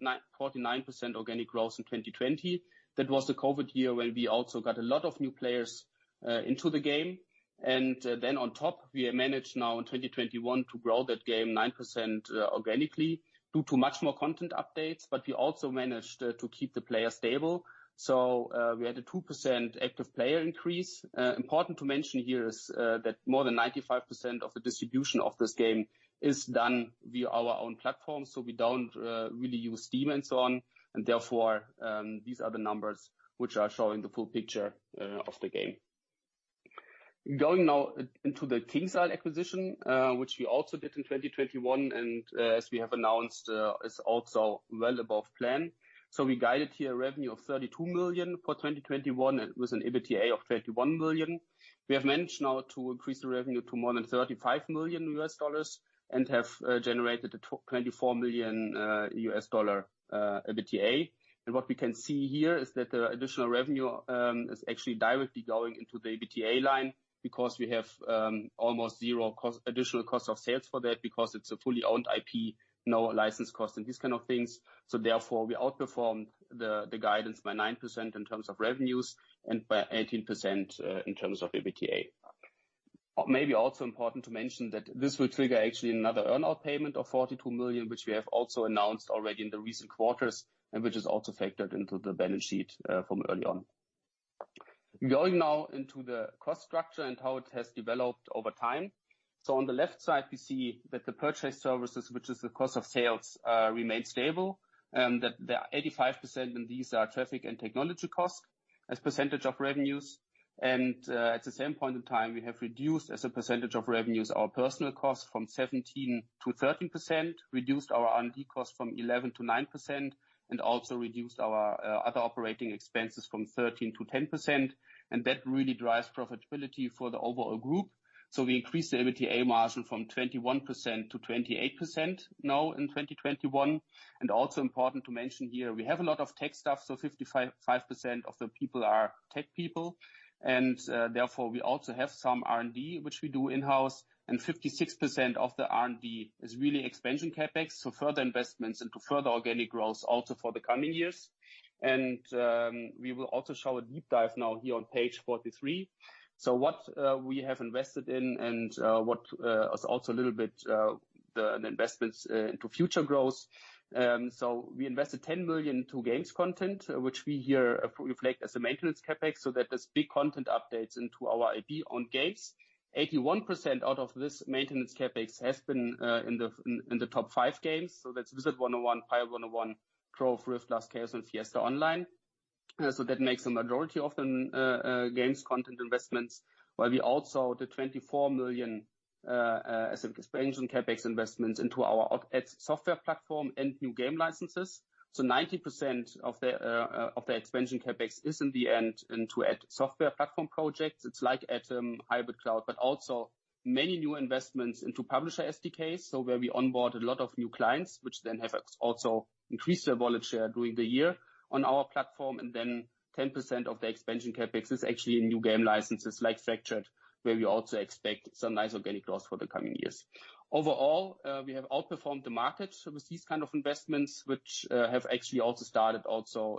organic growth in 2020. That was the COVID year where we also got a lot of new players into the game. Then on top, we managed now in 2021 to grow that game 9% organically due to much more content updates. We also managed to keep the player stable. We had a 2% active player increase. Important to mention here is that more than 95% of the distribution of this game is done via our own platform. We don't really use Steam and so on. Therefore, these are the numbers which are showing the full picture of the game. Going now into the KingsIsle acquisition, which we also did in 2021, and as we have announced, is also well above plan. We guided here revenue of 32 million for 2021. It was an EBITDA of 21 million. We have managed now to increase the revenue to more than $35 million and have generated a $24 million EBITDA. What we can see here is that the additional revenue is actually directly going into the EBITDA line because we have almost zero additional cost of sales for that because it's a fully owned IP, no license cost and these kind of things. Therefore, we outperformed the guidance by 9% in terms of revenues and by 18% in terms of EBITDA. Maybe also important to mention that this will trigger actually another earn-out payment of $42 million, which we have also announced already in the recent quarters and which is also factored into the balance sheet from early on. Going now into the cost structure and how it has developed over time. On the left side, we see that the purchase services, which is the cost of sales, remain stable, that they are 85%, and these are traffic and technology costs as percentage of revenues. At the same point in time, we have reduced as a percentage of revenues our personnel costs from 17% to 13%, reduced our R&D costs from 11% to 9%, and also reduced our other operating expenses from 13% to 10%. That really drives profitability for the overall group. We increased the EBITDA margin from 21% to 28% now in 2021. Also important to mention here, we have a lot of tech staff, so 55% of the people are tech people, and therefore, we also have some R&D, which we do in-house. 56% of the R&D is really expansion CapEx, so further investments into further organic growth also for the coming years. We will also show a deep dive now here on page 43. What we have invested in and what is also a little bit the investments into future growth. We invested 10 million to games content, which we here reflect as a maintenance CapEx so that there's big content updates into our IP on games. 81% out of this maintenance CapEx has been in the top five games. That's Wizard101, Pirate101, Trove, RIFT, Last Chaos, and Fiesta Online. That makes the majority of the games content investments, while we also did 24 million expansion CapEx investments into our ad software platform and new game licenses. 90% of the expansion CapEx is in the end into ad software platform projects. It's like ad hybrid cloud, but also many new investments into publisher SDKs. Where we onboard a lot of new clients, which then have also increased their wallet share during the year on our platform. 10% of the expansion CapEx is actually in new game licenses like Fractured, where we also expect some nice organic growth for the coming years. Overall, we have outperformed the market. With these kind of investments, which have actually also started also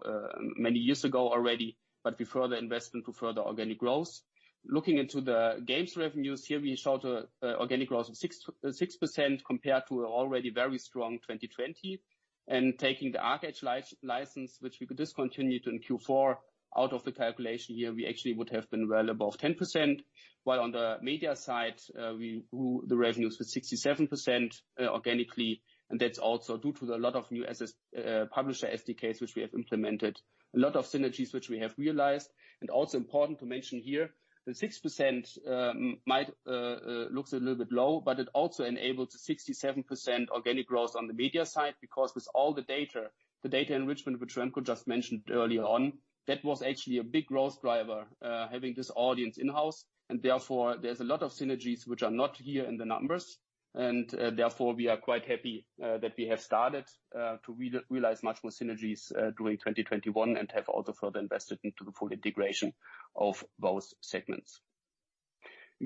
many years ago already, but we further invest into further organic growth. Looking into the games revenues, here we showed organic growth of 6% compared to already very strong 2020. Taking the ArcheAge license, which we discontinued in Q4 out of the calculation here, we actually would have been well above 10%. While on the media side, we grew the revenues to 67% organically. That's also due to a lot of new publisher SDKs which we have implemented, a lot of synergies which we have realized. Also important to mention here, the 6% might look a little bit low, but it also enabled 67% organic growth on the media side because with all the data, the data enrichment which Remco just mentioned earlier on, that was actually a big growth driver, having this audience in-house. Therefore, there's a lot of synergies which are not here in the numbers. Therefore, we are quite happy that we have started to realize much more synergies during 2021 and have also further invested into the full integration of both segments.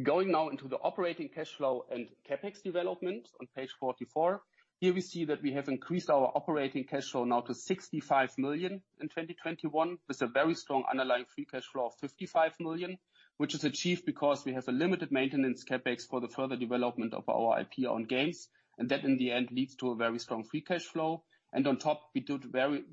Going now into the operating cash flow and CapEx development on page 44. Here we see that we have increased our operating cash flow now to 65 million in 2021, with a very strong underlying free cash flow of 55 million, which is achieved because we have a limited maintenance CapEx for the further development of our IP and games. That, in the end, leads to a very strong free cash flow. On top, we do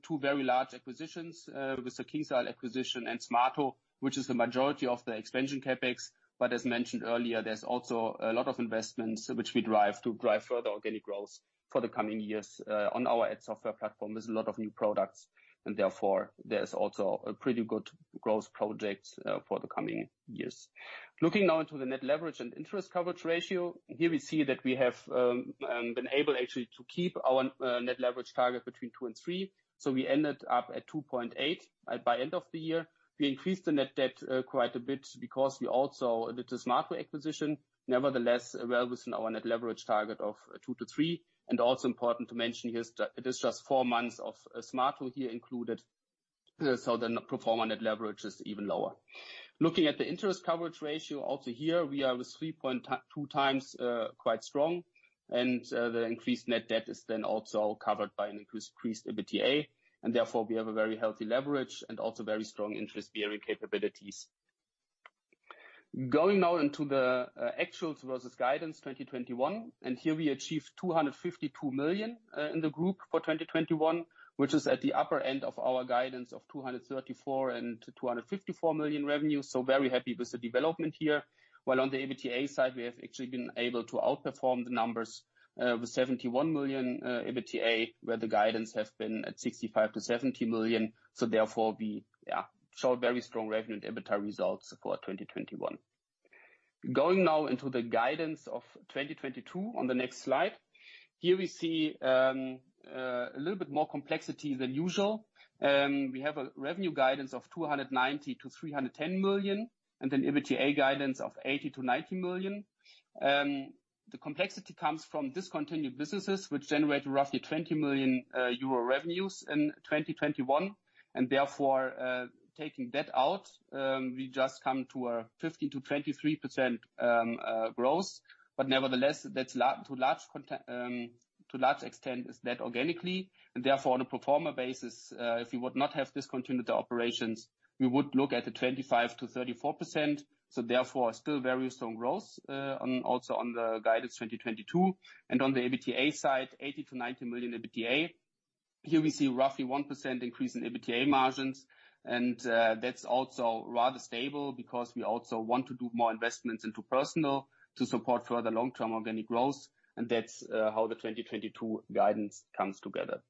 two very large acquisitions, with the KingsIsle acquisition and Smaato, which is the majority of the expansion CapEx. As mentioned earlier, there's also a lot of investments which we drive further organic growth for the coming years, on our ad software platform. There's a lot of new products, and therefore there's also a pretty good growth project, for the coming years. Looking now into the net leverage and interest coverage ratio. Here we see that we have been able actually to keep our net leverage target between 2 and 3. We ended up at 2.8 by end of the year. We increased the net debt quite a bit because we also did the Smaato acquisition. Nevertheless, well within our net leverage target of 2-3, and also important to mention here is that it is just four months of Smaato here included, so the pro forma net leverage is even lower. Looking at the interest coverage ratio, also here we are with 3.2x, quite strong. The increased net debt is then also covered by an increased EBITDA. Therefore, we have a very healthy leverage and also very strong interest bearing capabilities. Going now into the actuals versus guidance 2021, here we achieved 252 million in the group for 2021, which is at the upper end of our guidance of 234 million-254 million revenue. Very happy with the development here. While on the EBITDA side, we have actually been able to outperform the numbers with 71 million EBITDA, where the guidance has been at 65 million-70 million. Therefore we show very strong revenue and EBITDA results for 2021. Going now into the guidance of 2022 on the next slide. Here we see a little bit more complexity than usual. We have a revenue guidance of 290 million-310 million, and an EBITDA guidance of 80 million-90 million. The complexity comes from discontinued businesses which generate roughly 20 million euro revenues in 2021. Therefore, taking that out, we just come to a 15%-23% growth. Nevertheless, that's to a large extent organically. Therefore, on a pro forma basis, if we would not have discontinued the operations, we would look at a 25%-34%. Therefore, still very strong growth, also on the guidance 2022. On the EBITDA side, 80 million-90 million EBITDA. Here we see roughly 1% increase in EBITDA margins. That's also rather stable because we also want to do more investments into personnel to support further long-term organic growth. That's how the 2022 guidance comes together.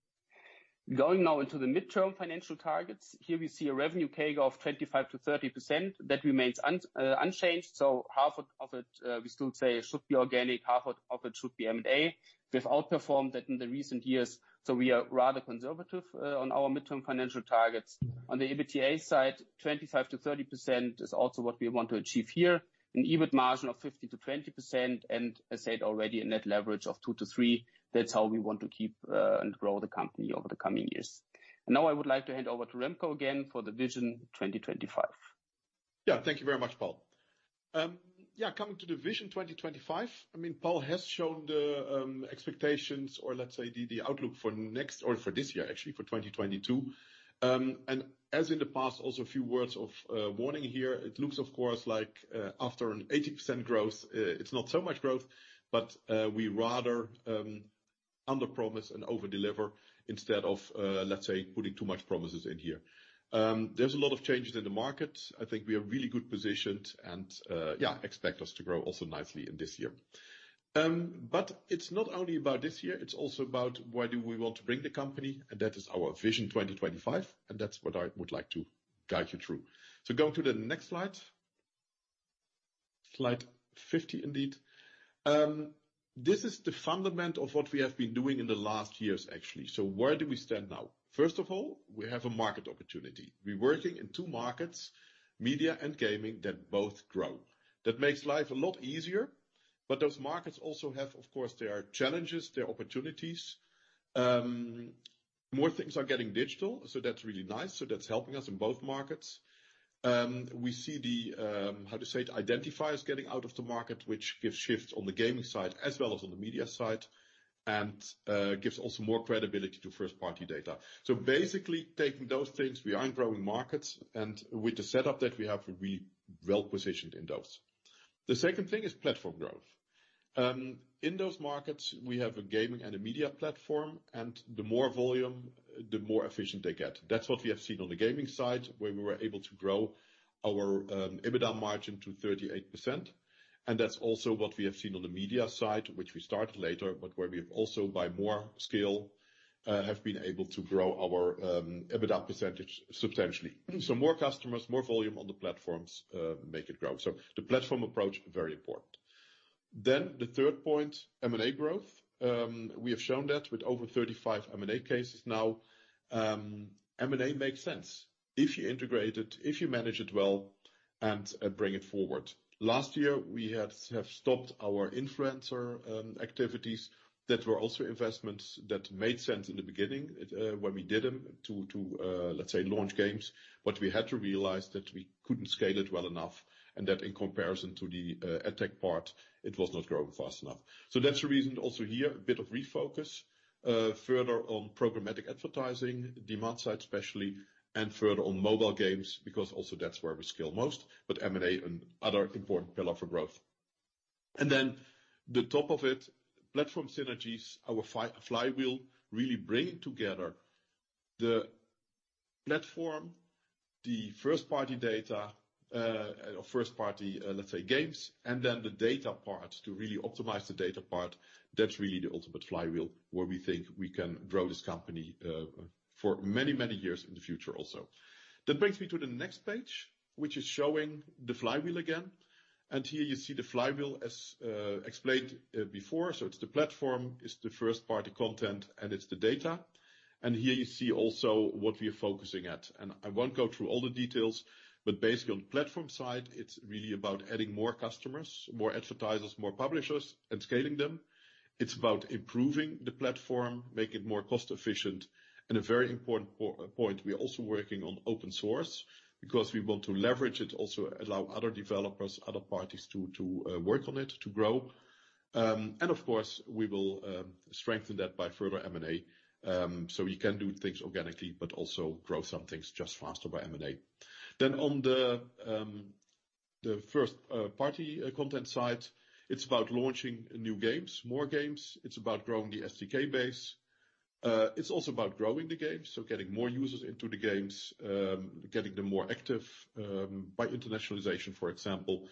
Going now into the midterm financial targets. Here we see a revenue CAGR of 25%-30%. That remains unchanged. Half of it we still say should be organic, half of it should be M&A. We've outperformed that in the recent years, so we are rather conservative on our midterm financial targets. On the EBITDA side, 25%-30% is also what we want to achieve here. An EBITDA margin of 20%-25% and, as said already, a net leverage of 2-3. That's how we want to keep and grow the company over the coming years. Now I would like to hand over to Remco again for the Vision 2025. Yeah. Thank you very much, Paul. Yeah, coming to the Vision 2025, I mean, Paul has shown the expectations or let's say the outlook for next or for this year, actually, for 2022. As in the past, also a few words of warning here. It looks, of course, like after an 80% growth, it's not so much growth, but we rather under promise and overdeliver instead of, let's say, putting too much promises in here. There's a lot of changes in the market. I think we are really well positioned and, yeah, expect us to grow also nicely in this year. It's not only about this year, it's also about where we want to bring the company, and that is our Vision 2025, and that's what I would like to guide you through. Going to the next slide. Slide 50 indeed. This is the fundamentals of what we have been doing in the last years, actually. Where do we stand now? First of all, we have a market opportunity. We're working in two markets, media and gaming, that both grow. That makes life a lot easier, but those markets also have, of course, there are challenges, there are opportunities. More things are getting digital, so that's really nice. That's helping us in both markets. We see the identifiers getting out of the market, which gives shifts on the gaming side as well as on the media side, and gives also more credibility to first-party data. Basically taking those things, we are in growing markets, and with the setup that we have, we're well positioned in those. The second thing is platform growth. In those markets, we have a gaming and a media platform, and the more volume, the more efficient they get. That's what we have seen on the gaming side, where we were able to grow our EBITDA margin to 38%. That's also what we have seen on the media side, which we started later, but where we have also by more scale, have been able to grow our EBITDA percentage substantially. More customers, more volume on the platforms, make it grow. The platform approach, very important. The third point, M&A growth. We have shown that with over 35 M&A cases now. M&A makes sense if you integrate it, if you manage it well and bring it forward. Last year, we have stopped our influencer activities that were also investments that made sense in the beginning, when we did them to let's say, launch games. We had to realize that we couldn't scale it well enough and that in comparison to the ad tech part, it was not growing fast enough. That's the reason also here, a bit of refocus, further on programmatic advertising, demand side especially, and further on mobile games, because also that's where we scale most, but M&A and other important pillar for growth. Then the top of it, platform synergies, our flywheel really bringing together the platform, the first party data, first party, let's say, games, and then the data part to really optimize the data part. That's really the ultimate flywheel where we think we can grow this company, for many, many years in the future also. That brings me to the next page, which is showing the flywheel again. Here you see the flywheel as explained before. It's the platform, it's the first party content, and it's the data. Here you see also what we are focusing at. I won't go through all the details, but basically on platform side, it's really about adding more customers, more advertisers, more publishers, and scaling them. It's about improving the platform, make it more cost efficient. A very important point, we are also working on open source because we want to leverage it, also allow other developers, other parties to work on it, to grow. And of course, we will strengthen that by further M&A, so we can do things organically, but also grow some things just faster by M&A. Then on the first party content side, it's about launching new games, more games. It's about growing the SDK base. It's also about growing the games, so getting more users into the games, getting them more active by internationalization, for example.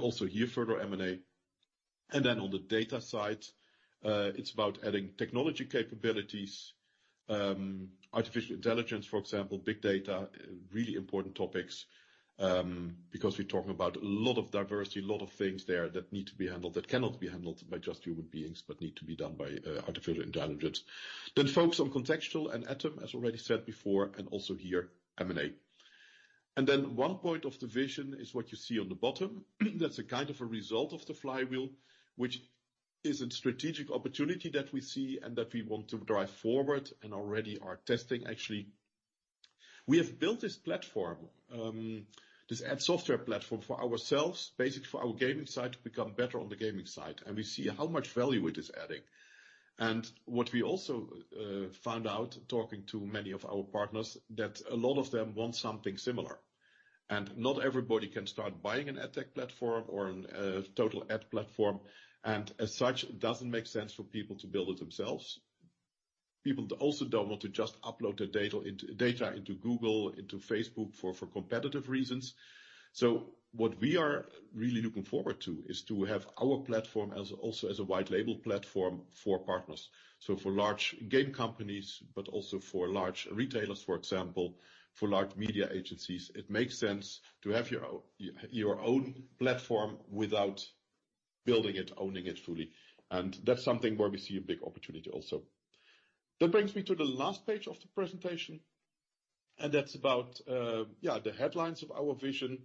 Also here, further M&A. On the data side, it's about adding technology capabilities, artificial intelligence, for example, big data, really important topics, because we're talking about a lot of diversity, a lot of things there that need to be handled, that cannot be handled by just human beings, but need to be done by artificial intelligence. Focus on contextual and ATOM, as already said before, and also here, M&A. One point of the vision is what you see on the bottom. That's a kind of a result of the flywheel, which is a strategic opportunity that we see and that we want to drive forward and already are testing. Actually, we have built this platform, this ad software platform for ourselves, basically for our gaming side to become better on the gaming side. We see how much value it is adding. What we also found out talking to many of our partners that a lot of them want something similar. Not everybody can start buying an ad tech platform or an total ad platform, and as such, it doesn't make sense for people to build it themselves. People also don't want to just upload their data into Google, into Facebook for competitive reasons. What we are really looking forward to is to have our platform as also as a white label platform for partners. For large game companies, but also for large retailers, for example, for large media agencies, it makes sense to have your own platform without building it, owning it fully. That's something where we see a big opportunity also. That brings me to the last page of the presentation, and that's about the headlines of our vision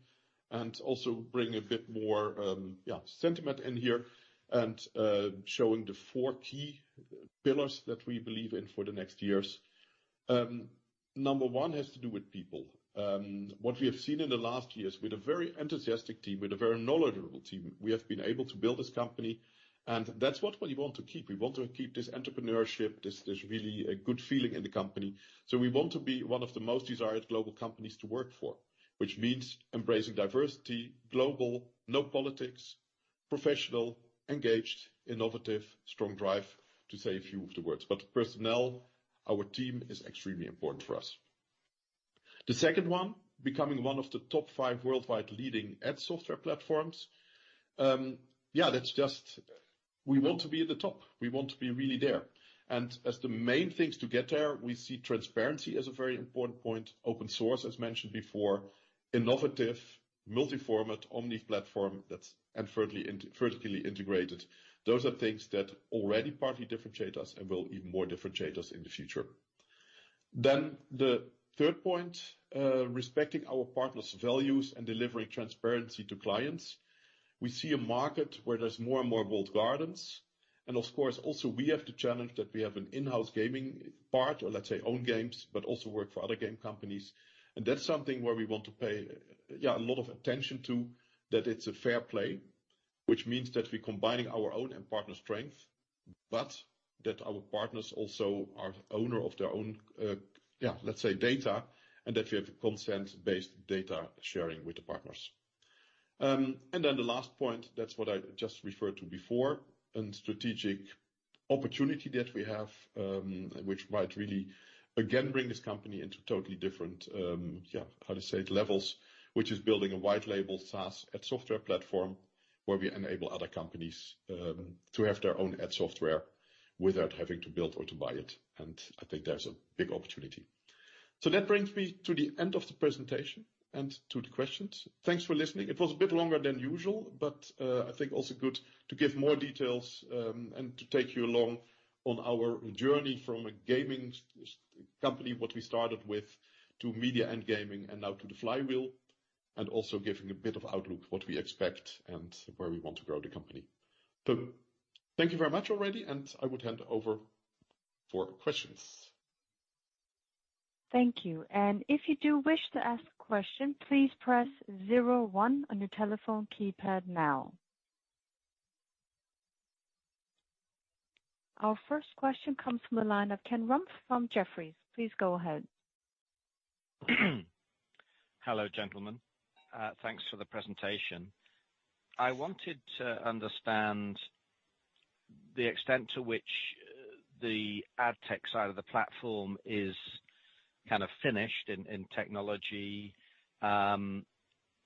and also bring a bit more sentiment in here and showing the four key pillars that we believe in for the next years. Number one has to do with people. What we have seen in the last years with a very enthusiastic team, with a very knowledgeable team, we have been able to build this company, and that's what we want to keep. We want to keep this entrepreneurship, this really a good feeling in the company. We want to be one of the most desired global companies to work for, which means embracing diversity, global, no politics, professional, engaged, innovative, strong drive to say a few of the words. Personnel, our team is extremely important for us. The second one, becoming one of the top five worldwide leading ad software platforms. We want to be at the top. We want to be really there. As the main things to get there, we see transparency as a very important point. Open source, as mentioned before. Innovative, multi-format, omni platform that's and vertically integrated. Those are things that already partly differentiate us and will even more differentiate us in the future. The third point, respecting our partners' values and delivering transparency to clients. We see a market where there's more and more walled gardens. Of course, also we have the challenge that we have an in-house gaming part or let's say own games, but also work for other game companies. That's something where we want to pay a lot of attention to that it's a fair play, which means that we're combining our own and partner strength. That our partners also are owner of their own, let's say data, and that we have consent-based data sharing with the partners. Then the last point, that's what I just referred to before, and strategic opportunity that we have, which might really again bring this company into totally different, how to say it, levels. Which is building a white label SaaS ad software platform where we enable other companies to have their own ad software without having to build or to buy it. I think there's a big opportunity. That brings me to the end of the presentation and to the questions. Thanks for listening. It was a bit longer than usual, but I think also good to give more details, and to take you along on our journey from a gaming company, what we started with, to media and gaming and now to the flywheel, giving a bit of outlook, what we expect and where we want to grow the company. Thank you very much already, and I would hand over for questions. Thank you. If you do wish to ask a question, please press 01 on your telephone keypad now. Our first question comes from the line of Ken Rumph from Jefferies. Please go ahead. Hello, gentlemen. Thanks for the presentation. I wanted to understand the extent to which the ad tech side of the platform is kind of finished in technology,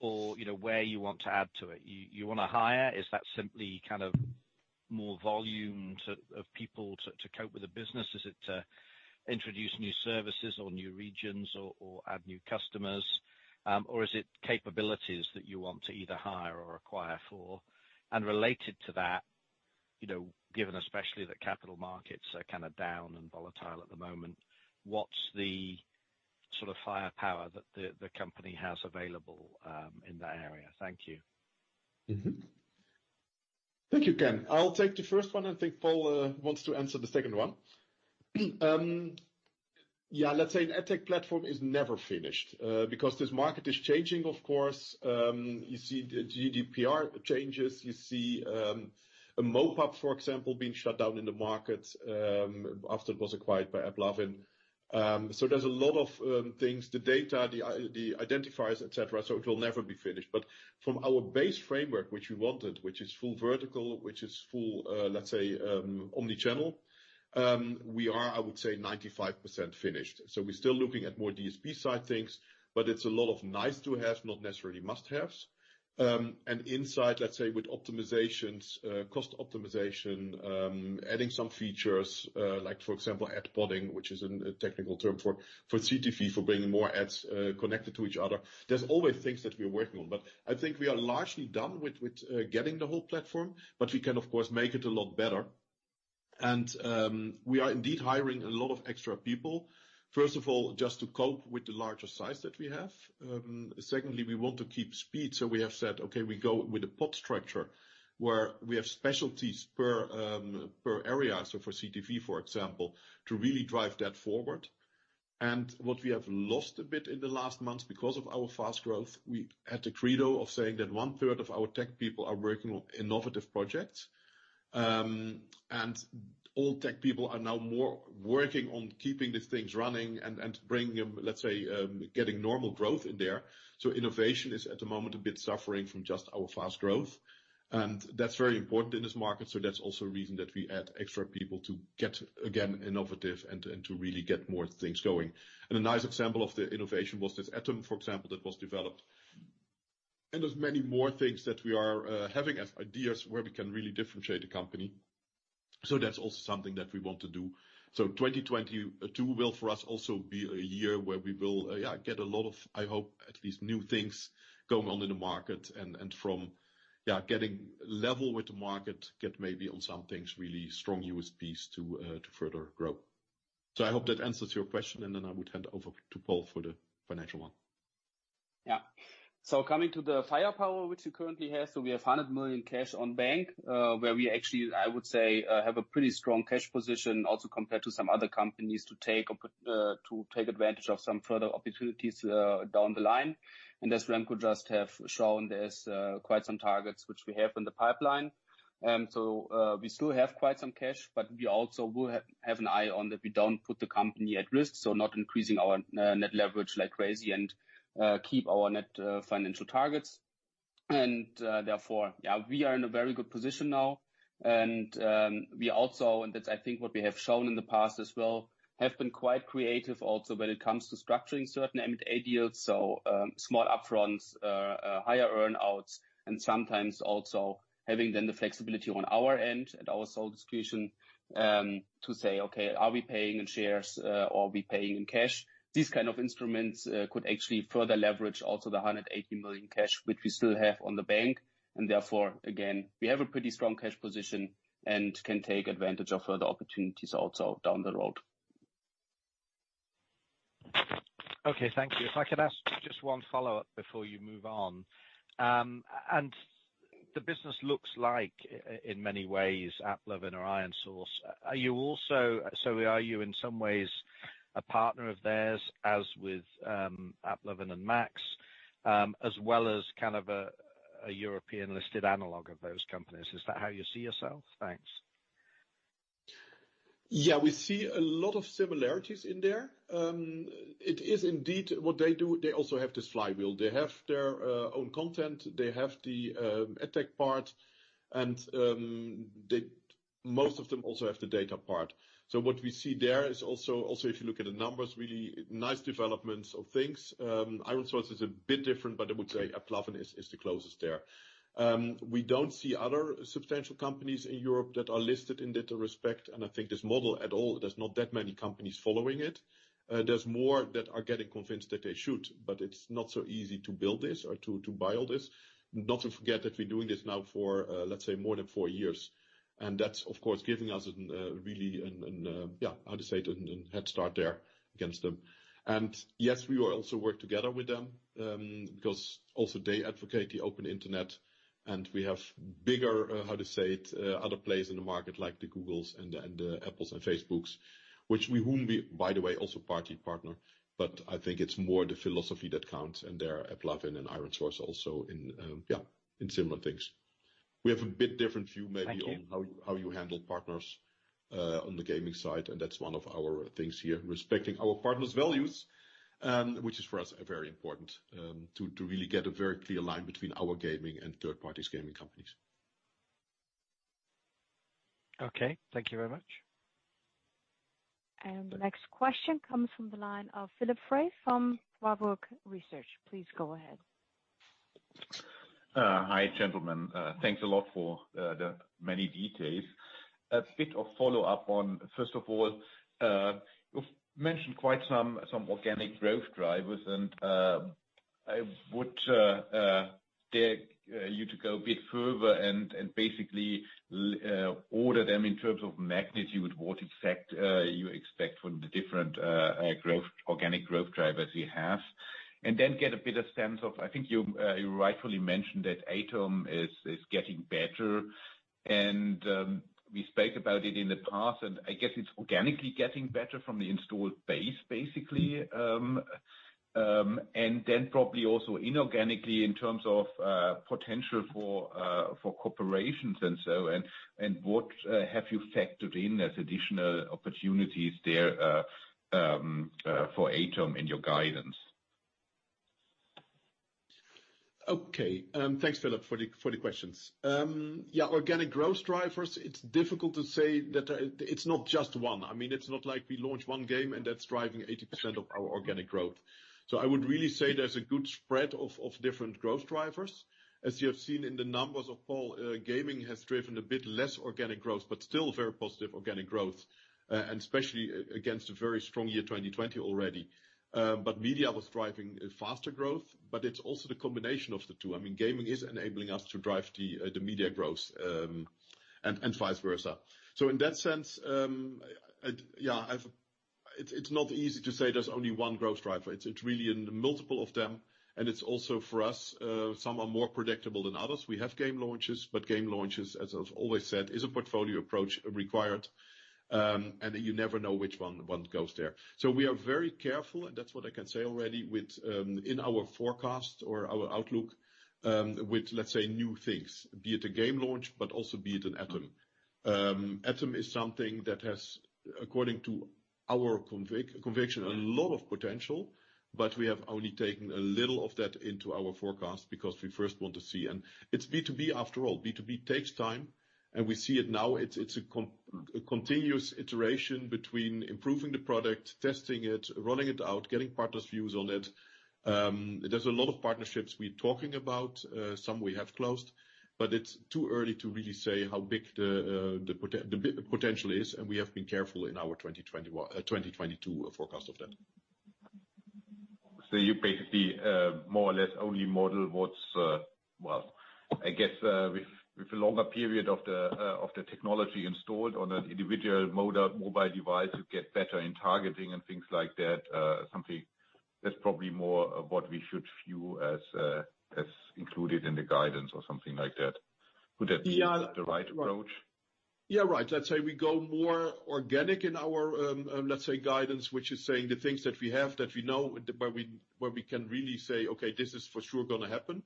or you know, where you want to add to it. You wanna hire? Is that simply kind of more volume of people to cope with the business? Is it to introduce new services or new regions or add new customers? Or is it capabilities that you want to either hire or acquire for? Related to that, you know, given especially that capital markets are kind of down and volatile at the moment, what's the sort of firepower that the company has available in that area? Thank you. Thank you, Ken. I'll take the first one, and I think Paul wants to answer the second one. Yeah, let's say an ad tech platform is never finished because this market is changing, of course. You see the GDPR changes. You see a MoPub, for example, being shut down in the market after it was acquired by AppLovin. There's a lot of things, the data, the identifiers, et cetera, so it will never be finished. From our base framework which we wanted, which is full vertical, which is full, let's say, omni-channel, we are, I would say 95% finished. We're still looking at more DSP side things, but it's a lot of nice to have, not necessarily must-haves. Inside, let's say, with optimizations, cost optimization, adding some features, like for example, ad podding, which is a technical term for CTV, for bringing more ads connected to each other. There's always things that we are working on, but I think we are largely done with getting the whole platform, but we can of course make it a lot better. We are indeed hiring a lot of extra people. First of all, just to cope with the larger size that we have. Secondly, we want to keep speed, so we have said, "Okay, we go with a pod structure where we have specialties per area," so for CTV, for example, to really drive that forward. What we have lost a bit in the last months because of our fast growth, we had the credo of saying that one-third of our tech people are working on innovative projects. All tech people are now more working on keeping these things running and bringing them, let's say, getting normal growth in there. Innovation is at the moment a bit suffering from just our fast growth, and that's very important in this market, that's also a reason that we add extra people to get again innovative and to really get more things going. A nice example of the innovation was this ATOM, for example, that was developed. There's many more things that we are having as ideas where we can really differentiate the company. That's also something that we want to do. 2022 will for us also be a year where we will get a lot of, I hope at least, new things going on in the market and from getting level with the market, get maybe on some things really strong USPs to further grow. I hope that answers your question, and then I would hand over to Paul for the financial one. Yeah. Coming to the firepower which we currently have, we have 100 million cash in the bank, where we actually, I would say, have a pretty strong cash position also compared to some other companies to take advantage of some further opportunities, down the line. As Remco just have shown, there's quite some targets which we have in the pipeline. We still have quite some cash, but we also will have an eye on that we don't put the company at risk, so not increasing our net leverage like crazy and keep our net financial targets. Therefore, yeah, we are in a very good position now. We also, and that's I think what we have shown in the past as well, have been quite creative also when it comes to structuring certain M&A deals. Small upfront, higher earn outs, and sometimes also having then the flexibility on our end at our sole discretion, to say, "Okay, are we paying in shares, or are we paying in cash?" These kind of instruments could actually further leverage also the 180 million cash which we still have on the bank. Therefore, again, we have a pretty strong cash position and can take advantage of further opportunities also down the road. Okay, thank you. If I could ask just one follow-up before you move on. The business looks like, in many ways, AppLovin or IronSource. Are you in some ways a partner of theirs as with AppLovin Max, as well as kind of a European-listed analog of those companies? Is that how you see yourself? Thanks. Yeah, we see a lot of similarities in there. It is indeed what they do, they also have this flywheel. They have their own content, they have the edtech part, and most of them also have the data part. What we see there is also if you look at the numbers, really nice developments of things. IronSource is a bit different, but I would say AppLovin is the closest there. We don't see other substantial companies in Europe that are listed in that respect, and I think this model at all, there's not that many companies following it. There's more that are getting convinced that they should, but it's not so easy to build this or to buy all this. Not to forget that we're doing this now for, let's say, more than four years. That's of course giving us a real head start there against them. Yes, we will also work together with them, because they advocate the open internet, and we have bigger other players in the market like the Googles and Apples and Facebooks. Which we wouldn't be, by the way, also party partner, but I think it's more the philosophy that counts, and they're AppLovin and IronSource also in similar things. We have a bit different view maybe. Thank you. On how you handle partners on the gaming side, and that's one of our things here. Respecting our partners' values, which is for us, are very important, to really get a very clear line between our gaming and third parties gaming companies. Okay. Thank you very much. The next question comes from the line of Philipp Frey from Warburg Research. Please go ahead. Hi, gentlemen. Thanks a lot for the many details. A bit of follow-up on, first of all, you've mentioned quite some organic growth drivers and, I would dare you to go a bit further and basically order them in terms of magnitude, what effect you expect from the different organic growth drivers you have. Get a better sense of, I think you rightfully mentioned that ATOM is getting better. We spoke about it in the past, and I guess it's organically getting better from the installed base, basically. Probably also inorganically in terms of potential for corporations and so on, and what have you factored in as additional opportunities there for ATOM in your guidance? Okay. Thanks, Philipp, for the questions. Yeah, organic growth drivers, it's difficult to say that it's not just one. I mean, it's not like we launch one game and that's driving 80% of our organic growth. I would really say there's a good spread of different growth drivers. As you have seen in the numbers of Paul, gaming has driven a bit less organic growth, but still very positive organic growth, and especially against a very strong year 2020 already. Media was driving a faster growth, but it's also the combination of the two. I mean, gaming is enabling us to drive the media growth, and vice versa. In that sense, yeah, it's not easy to say there's only one growth driver. It's really in multiple of them, and it's also for us, some are more predictable than others. We have game launches, but game launches, as I've always said, is a portfolio approach required. You never know which one goes there. We are very careful, and that's what I can say already with in our forecast or our outlook, with let's say new things. Be it a game launch, but also be it an ATOM. ATOM is something that has, according to our conviction, a lot of potential, but we have only taken a little of that into our forecast because we first want to see. It's B2B after all. B2B takes time, and we see it now. It's a continuous iteration between improving the product, testing it, running it out, getting partners' views on it. There's a lot of partnerships we're talking about, some we have closed, but it's too early to really say how big the potential is, and we have been careful in our 2021, 2022 forecast of that. You basically more or less only model what's well I guess with a longer period of the technology installed on an individual mobile device, you get better in targeting and things like that. Something that's probably more of what we should view as included in the guidance or something like that. Would that be the right approach? Yeah, right. Let's say we go more organic in our, let's say guidance, which is saying the things that we have, that we know, where we can really say, "Okay, this is for sure gonna happen."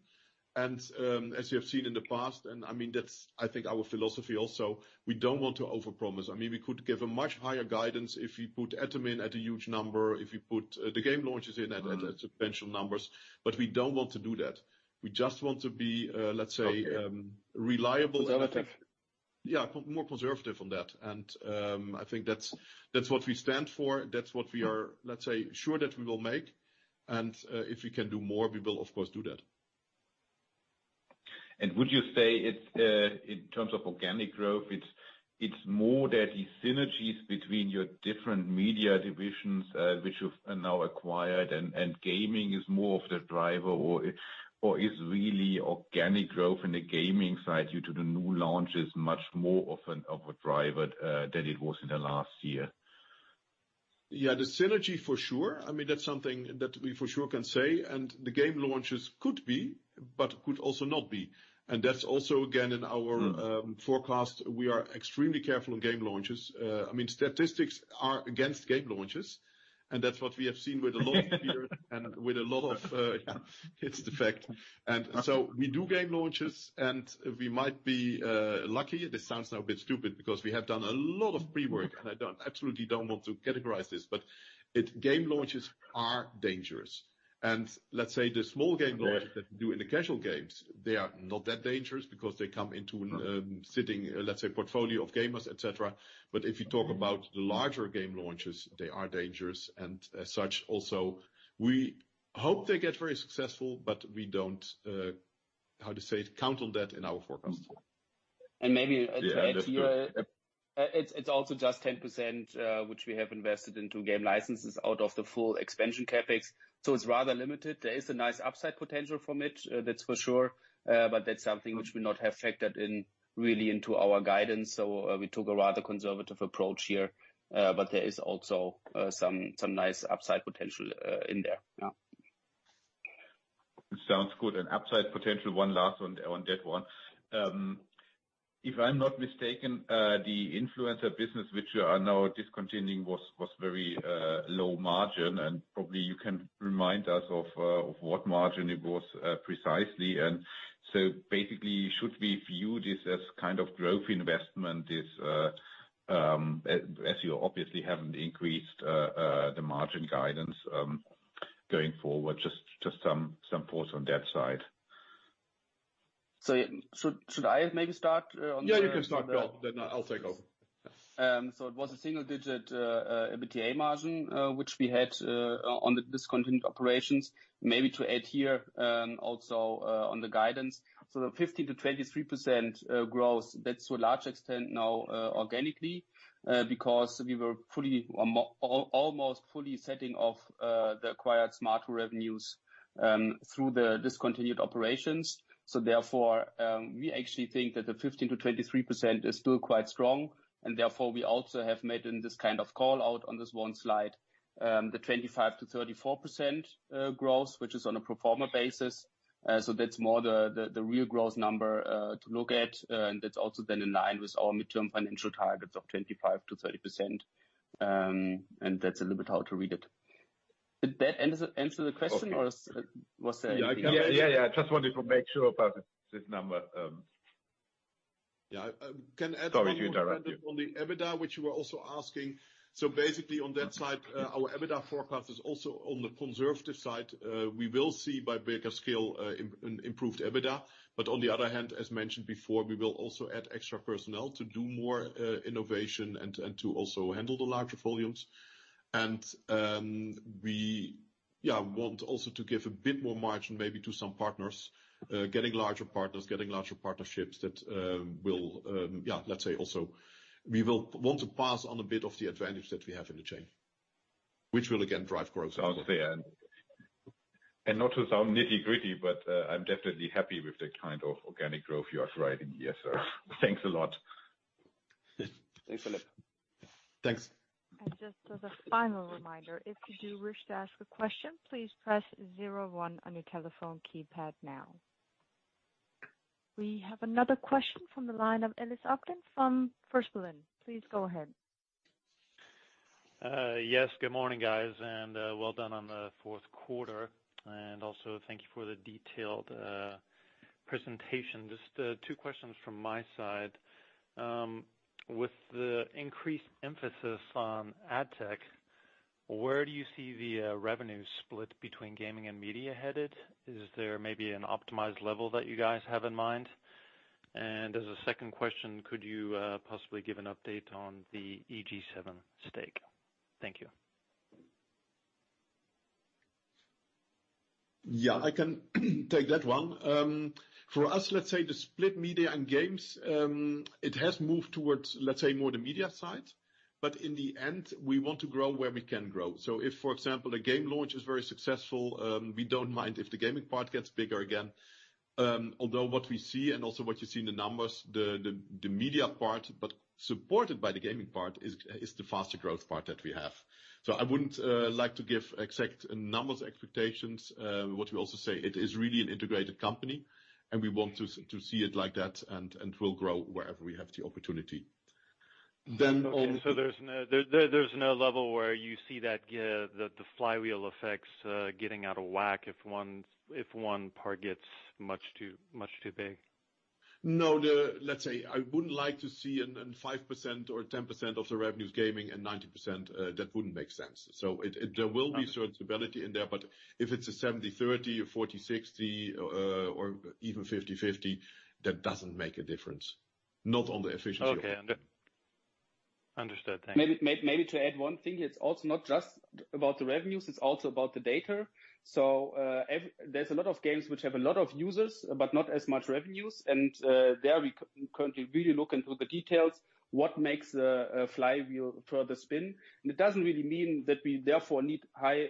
As you have seen in the past, and I mean, that's I think our philosophy also, we don't want to overpromise. I mean, we could give a much higher guidance if we put ATOM in at a huge number, if we put the game launches in at substantial numbers. We don't want to do that. We just want to be, let's say, reliable. Conservative. Yeah, more conservative on that. I think that's what we stand for. That's what we are, let's say, sure that we will make. If we can do more, we will of course do that. Would you say it's in terms of organic growth, it's more that the synergies between your different media divisions, which you've now acquired and gaming is more of the driver or is really organic growth in the gaming side due to the new launches much more of a driver than it was in the last year? Yeah, the synergy for sure. I mean, that's something that we for sure can say, and the game launches could be. But could also not be. That's also again in our forecast, we are extremely careful in game launches. I mean, statistics are against game launches, and that's what we have seen with a lot of peers and with a lot of hits, in fact. So we do game launches, and we might be lucky. This sounds now a bit stupid because we have done a lot of pre-work, and I don't absolutely don't want to categorize this, but game launches are dangerous. Let's say the small game launches that we do in the casual games, they are not that dangerous because they come into existing, let's say, portfolio of games, et cetera. If you talk about the larger game launches, they are dangerous and as such, also, we hope they get very successful, but we don't, how to say it, count on that in our forecast. Maybe to add here, it's also just 10%, which we have invested into game licenses out of the full expansion CapEx. It's rather limited. There is a nice upside potential from it, that's for sure. That's something which we not have factored in really into our guidance. We took a rather conservative approach here, there is also some nice upside potential in there. Yeah. Sounds good. An upside potential, one last one on that one. If I'm not mistaken, the influencer business, which you are now discontinuing, was very low margin, and probably you can remind us of what margin it was precisely. Basically, should we view this as kind of growth investment, this, as you obviously haven't increased the margin guidance going forward? Just some thoughts on that side. Should I maybe start on the- Yeah, you can start. Go on. I'll take over. It was a single-digit EBITDA margin which we had on the discontinued operations. Maybe to add here also on the guidance. The 15%-23% growth, that's to a large extent now organically, because we were almost fully setting off the acquired Smaato revenues through the discontinued operations. Therefore, we actually think that the 15%-23% is still quite strong, and therefore we also have made in this kind of call-out on this one slide, the 25%-34% growth, which is on a pro forma basis. That's more the real growth number to look at. That's also then in line with our midterm financial targets of 25%-30%. That's a little bit how to read it. Did that answer the question? Okay. Was there anything else? Yeah. I just wanted to make sure about this number. Yeah. Can I add one more? Sorry to interrupt you. On the EBITDA, which you were also asking. Basically on that side, our EBITDA forecast is also on the conservative side. We will see with bigger scale, improved EBITDA. On the other hand, as mentioned before, we will also add extra personnel to do more, innovation and to also handle the larger volumes. We want also to give a bit more margin maybe to some partners, getting larger partners, getting larger partnerships that will. Let's say also we will want to pass on a bit of the advantage that we have in the chain, which will again drive growth. Sounds fair. Not to sound nitty-gritty, but, I'm definitely happy with the kind of organic growth you are driving here, so thanks a lot. Thanks, Philipp. Thanks. Just as a final reminder, if you do wish to ask a question, please press 01 on your telephone keypad now. We have another question from the line of Ellis Acklin from First Berlin. Please go ahead. Yes. Good morning, guys, and well done on the fourth quarter. Also thank you for the detailed presentation. Just two questions from my side. With the increased emphasis on ad tech, where do you see the revenue split between gaming and media headed? Is there maybe an optimized level that you guys have in mind? As a second question, could you possibly give an update on the EG7 stake? Thank you. Yeah, I can take that one. For us, let's say the split media and games, it has moved towards, let's say, more the media side. But in the end, we want to grow where we can grow. So if, for example, a game launch is very successful, we don't mind if the gaming part gets bigger again. Although what we see and also what you see in the numbers, the media part, but supported by the gaming part, is the faster growth part that we have. So I wouldn't like to give exact numbers expectations. What we also say, it is really an integrated company, and we want to see it like that, and we'll grow wherever we have the opportunity. Then on- There's no level where you see the flywheel effects getting out of whack if one part gets much too big? No. Let's say I wouldn't like to see a 5% or 10% of the revenues gaming and 90%. That wouldn't make sense. There will be certain stability in there, but if it's a 70-30, a 40-60, or even 50-50, that doesn't make a difference. Not on the efficiency. Okay. Understood. Thank you. Maybe to add one thing. It's also not just about the revenues, it's also about the data. There's a lot of games which have a lot of users, but not as much revenues. There we currently really look into the details, what makes a flywheel further spin. It doesn't really mean that we therefore need high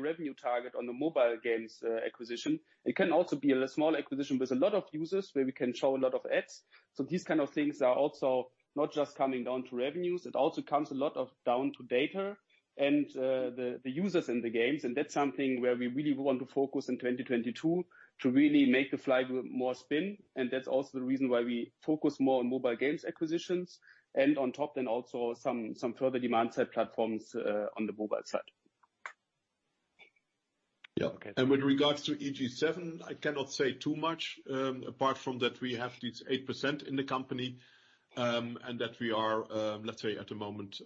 revenue target on the mobile games acquisition. It can also be a small acquisition with a lot of users where we can show a lot of ads. These kind of things are also not just coming down to revenues, it also comes a lot down to data and the users in the games. That's something where we really want to focus in 2022, to really make the flywheel more spin. That's also the reason why we focus more on mobile games acquisitions and on top then also some further demand side platforms on the mobile side. Yeah. With regards to EG7, I cannot say too much, apart from that we have at least 8% in the company, and that we are, let's say at the moment,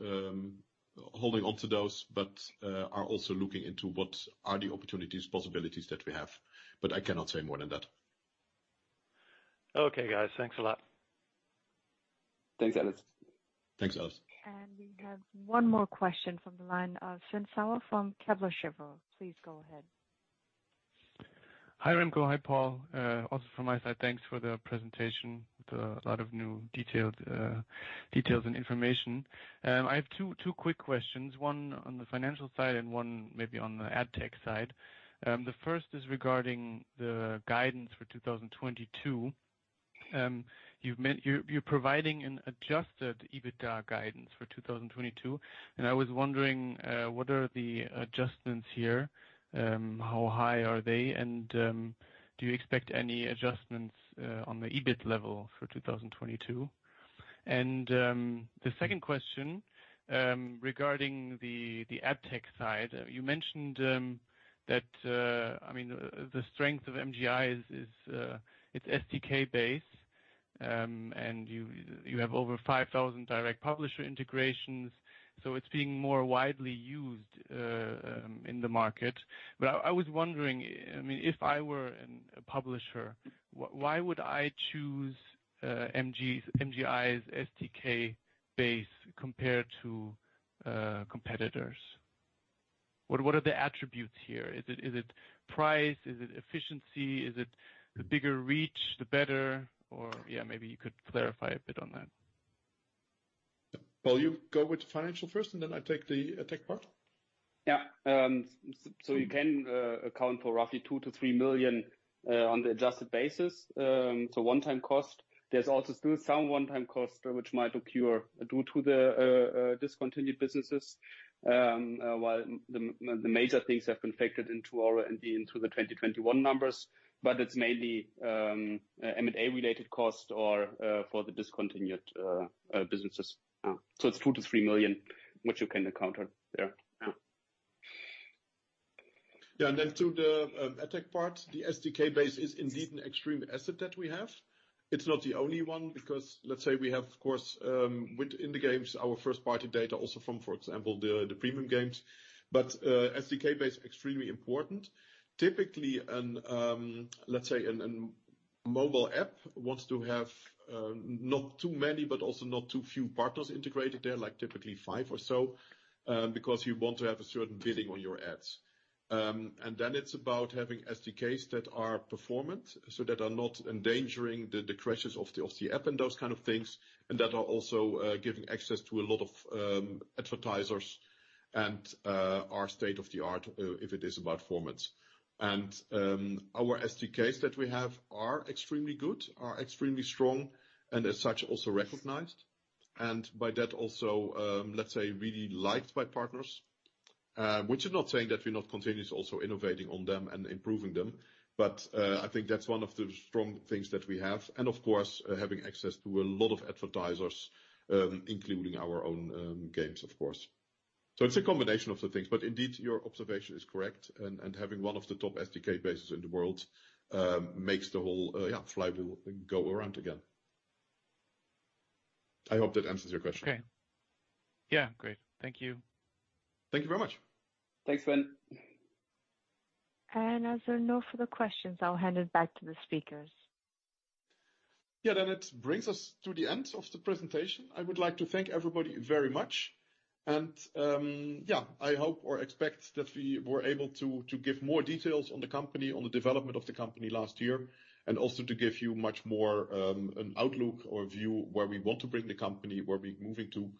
holding on to those, but are also looking into what are the opportunities, possibilities that we have. I cannot say more than that. Okay, guys. Thanks a lot. Thanks, Ellis. Thanks, Ellis. We have one more question from the line of Sven Sauer from Kepler Cheuvreux. Please go ahead. Hi, Remco. Hi, Paul. Also from my side, thanks for the presentation with a lot of new detailed details and information. I have two quick questions, one on the financial side and one maybe on the AdTech side. The first is regarding the guidance for 2022. You're providing an adjusted EBITDA guidance for 2022, and I was wondering what are the adjustments here? How high are they? Do you expect any adjustments on the EBITDA level for 2022? The second question regarding the AdTech side. You mentioned that I mean, the strength of MGI is its SDK-based, and you have over 5,000 direct publisher integrations, so it's being more widely used in the market. I was wondering, I mean, if I were a publisher, why would I choose MGI's SDK base compared to competitors? What are the attributes here? Is it price? Is it efficiency? Is it the bigger reach, the better? Or yeah, maybe you could clarify a bit on that. Paul, you go with the financial first, and then I take the ad tech part. Yeah. You can account for roughly 2 million-3 million on the adjusted basis, one-time cost. There's also still some one-time cost which might occur due to the discontinued businesses, while the major things have been factored into our and into the 2021 numbers. It's mainly M&A related costs or for the discontinued businesses. It's 2 million-3 million which you can account on there. Yeah. To the AdTech part, the SDK base is indeed an extreme asset that we have. It's not the only one because, let's say, we have, of course, in the games, our first party data also from, for example, the premium games. SDK base extremely important. Typically, a mobile app wants to have not too many, but also not too few partners integrated there, like typically five or so, because you want to have a certain bidding on your ads. It's about having SDKs that are performant, so that are not endangering the crashes of the app and those kind of things, and that are also giving access to a lot of advertisers and are state-of-the-art if it is about performance. Our SDKs that we have are extremely good, are extremely strong, and as such, also recognized. By that also, let's say, really liked by partners. Which is not saying that we're not continuously also innovating on them and improving them, but I think that's one of the strong things that we have. Of course, having access to a lot of advertisers, including our own games, of course. It's a combination of the things. Indeed, your observation is correct, and having one of the top SDK bases in the world makes the whole yeah, flywheel go around again. I hope that answers your question. Okay. Yeah. Great. Thank you. Thank you very much. Thanks, Sven. As there are no further questions, I'll hand it back to the speakers. Yeah. It brings us to the end of the presentation. I would like to thank everybody very much. I hope or expect that we were able to give more details on the company, on the development of the company last year, and also to give you much more an outlook or view where we want to bring the company, where we're moving to.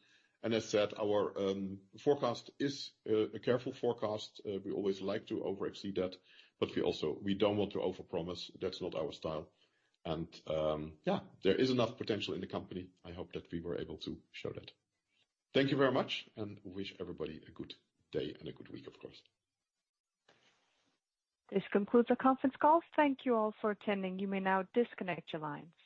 As said, our forecast is a careful forecast. We always like to over exceed that, but we also don't want to overpromise. That's not our style. There is enough potential in the company. I hope that we were able to show that. Thank you very much, and I wish everybody a good day and a good week, of course. This concludes our conference call. Thank you all for attending. You may now disconnect your lines.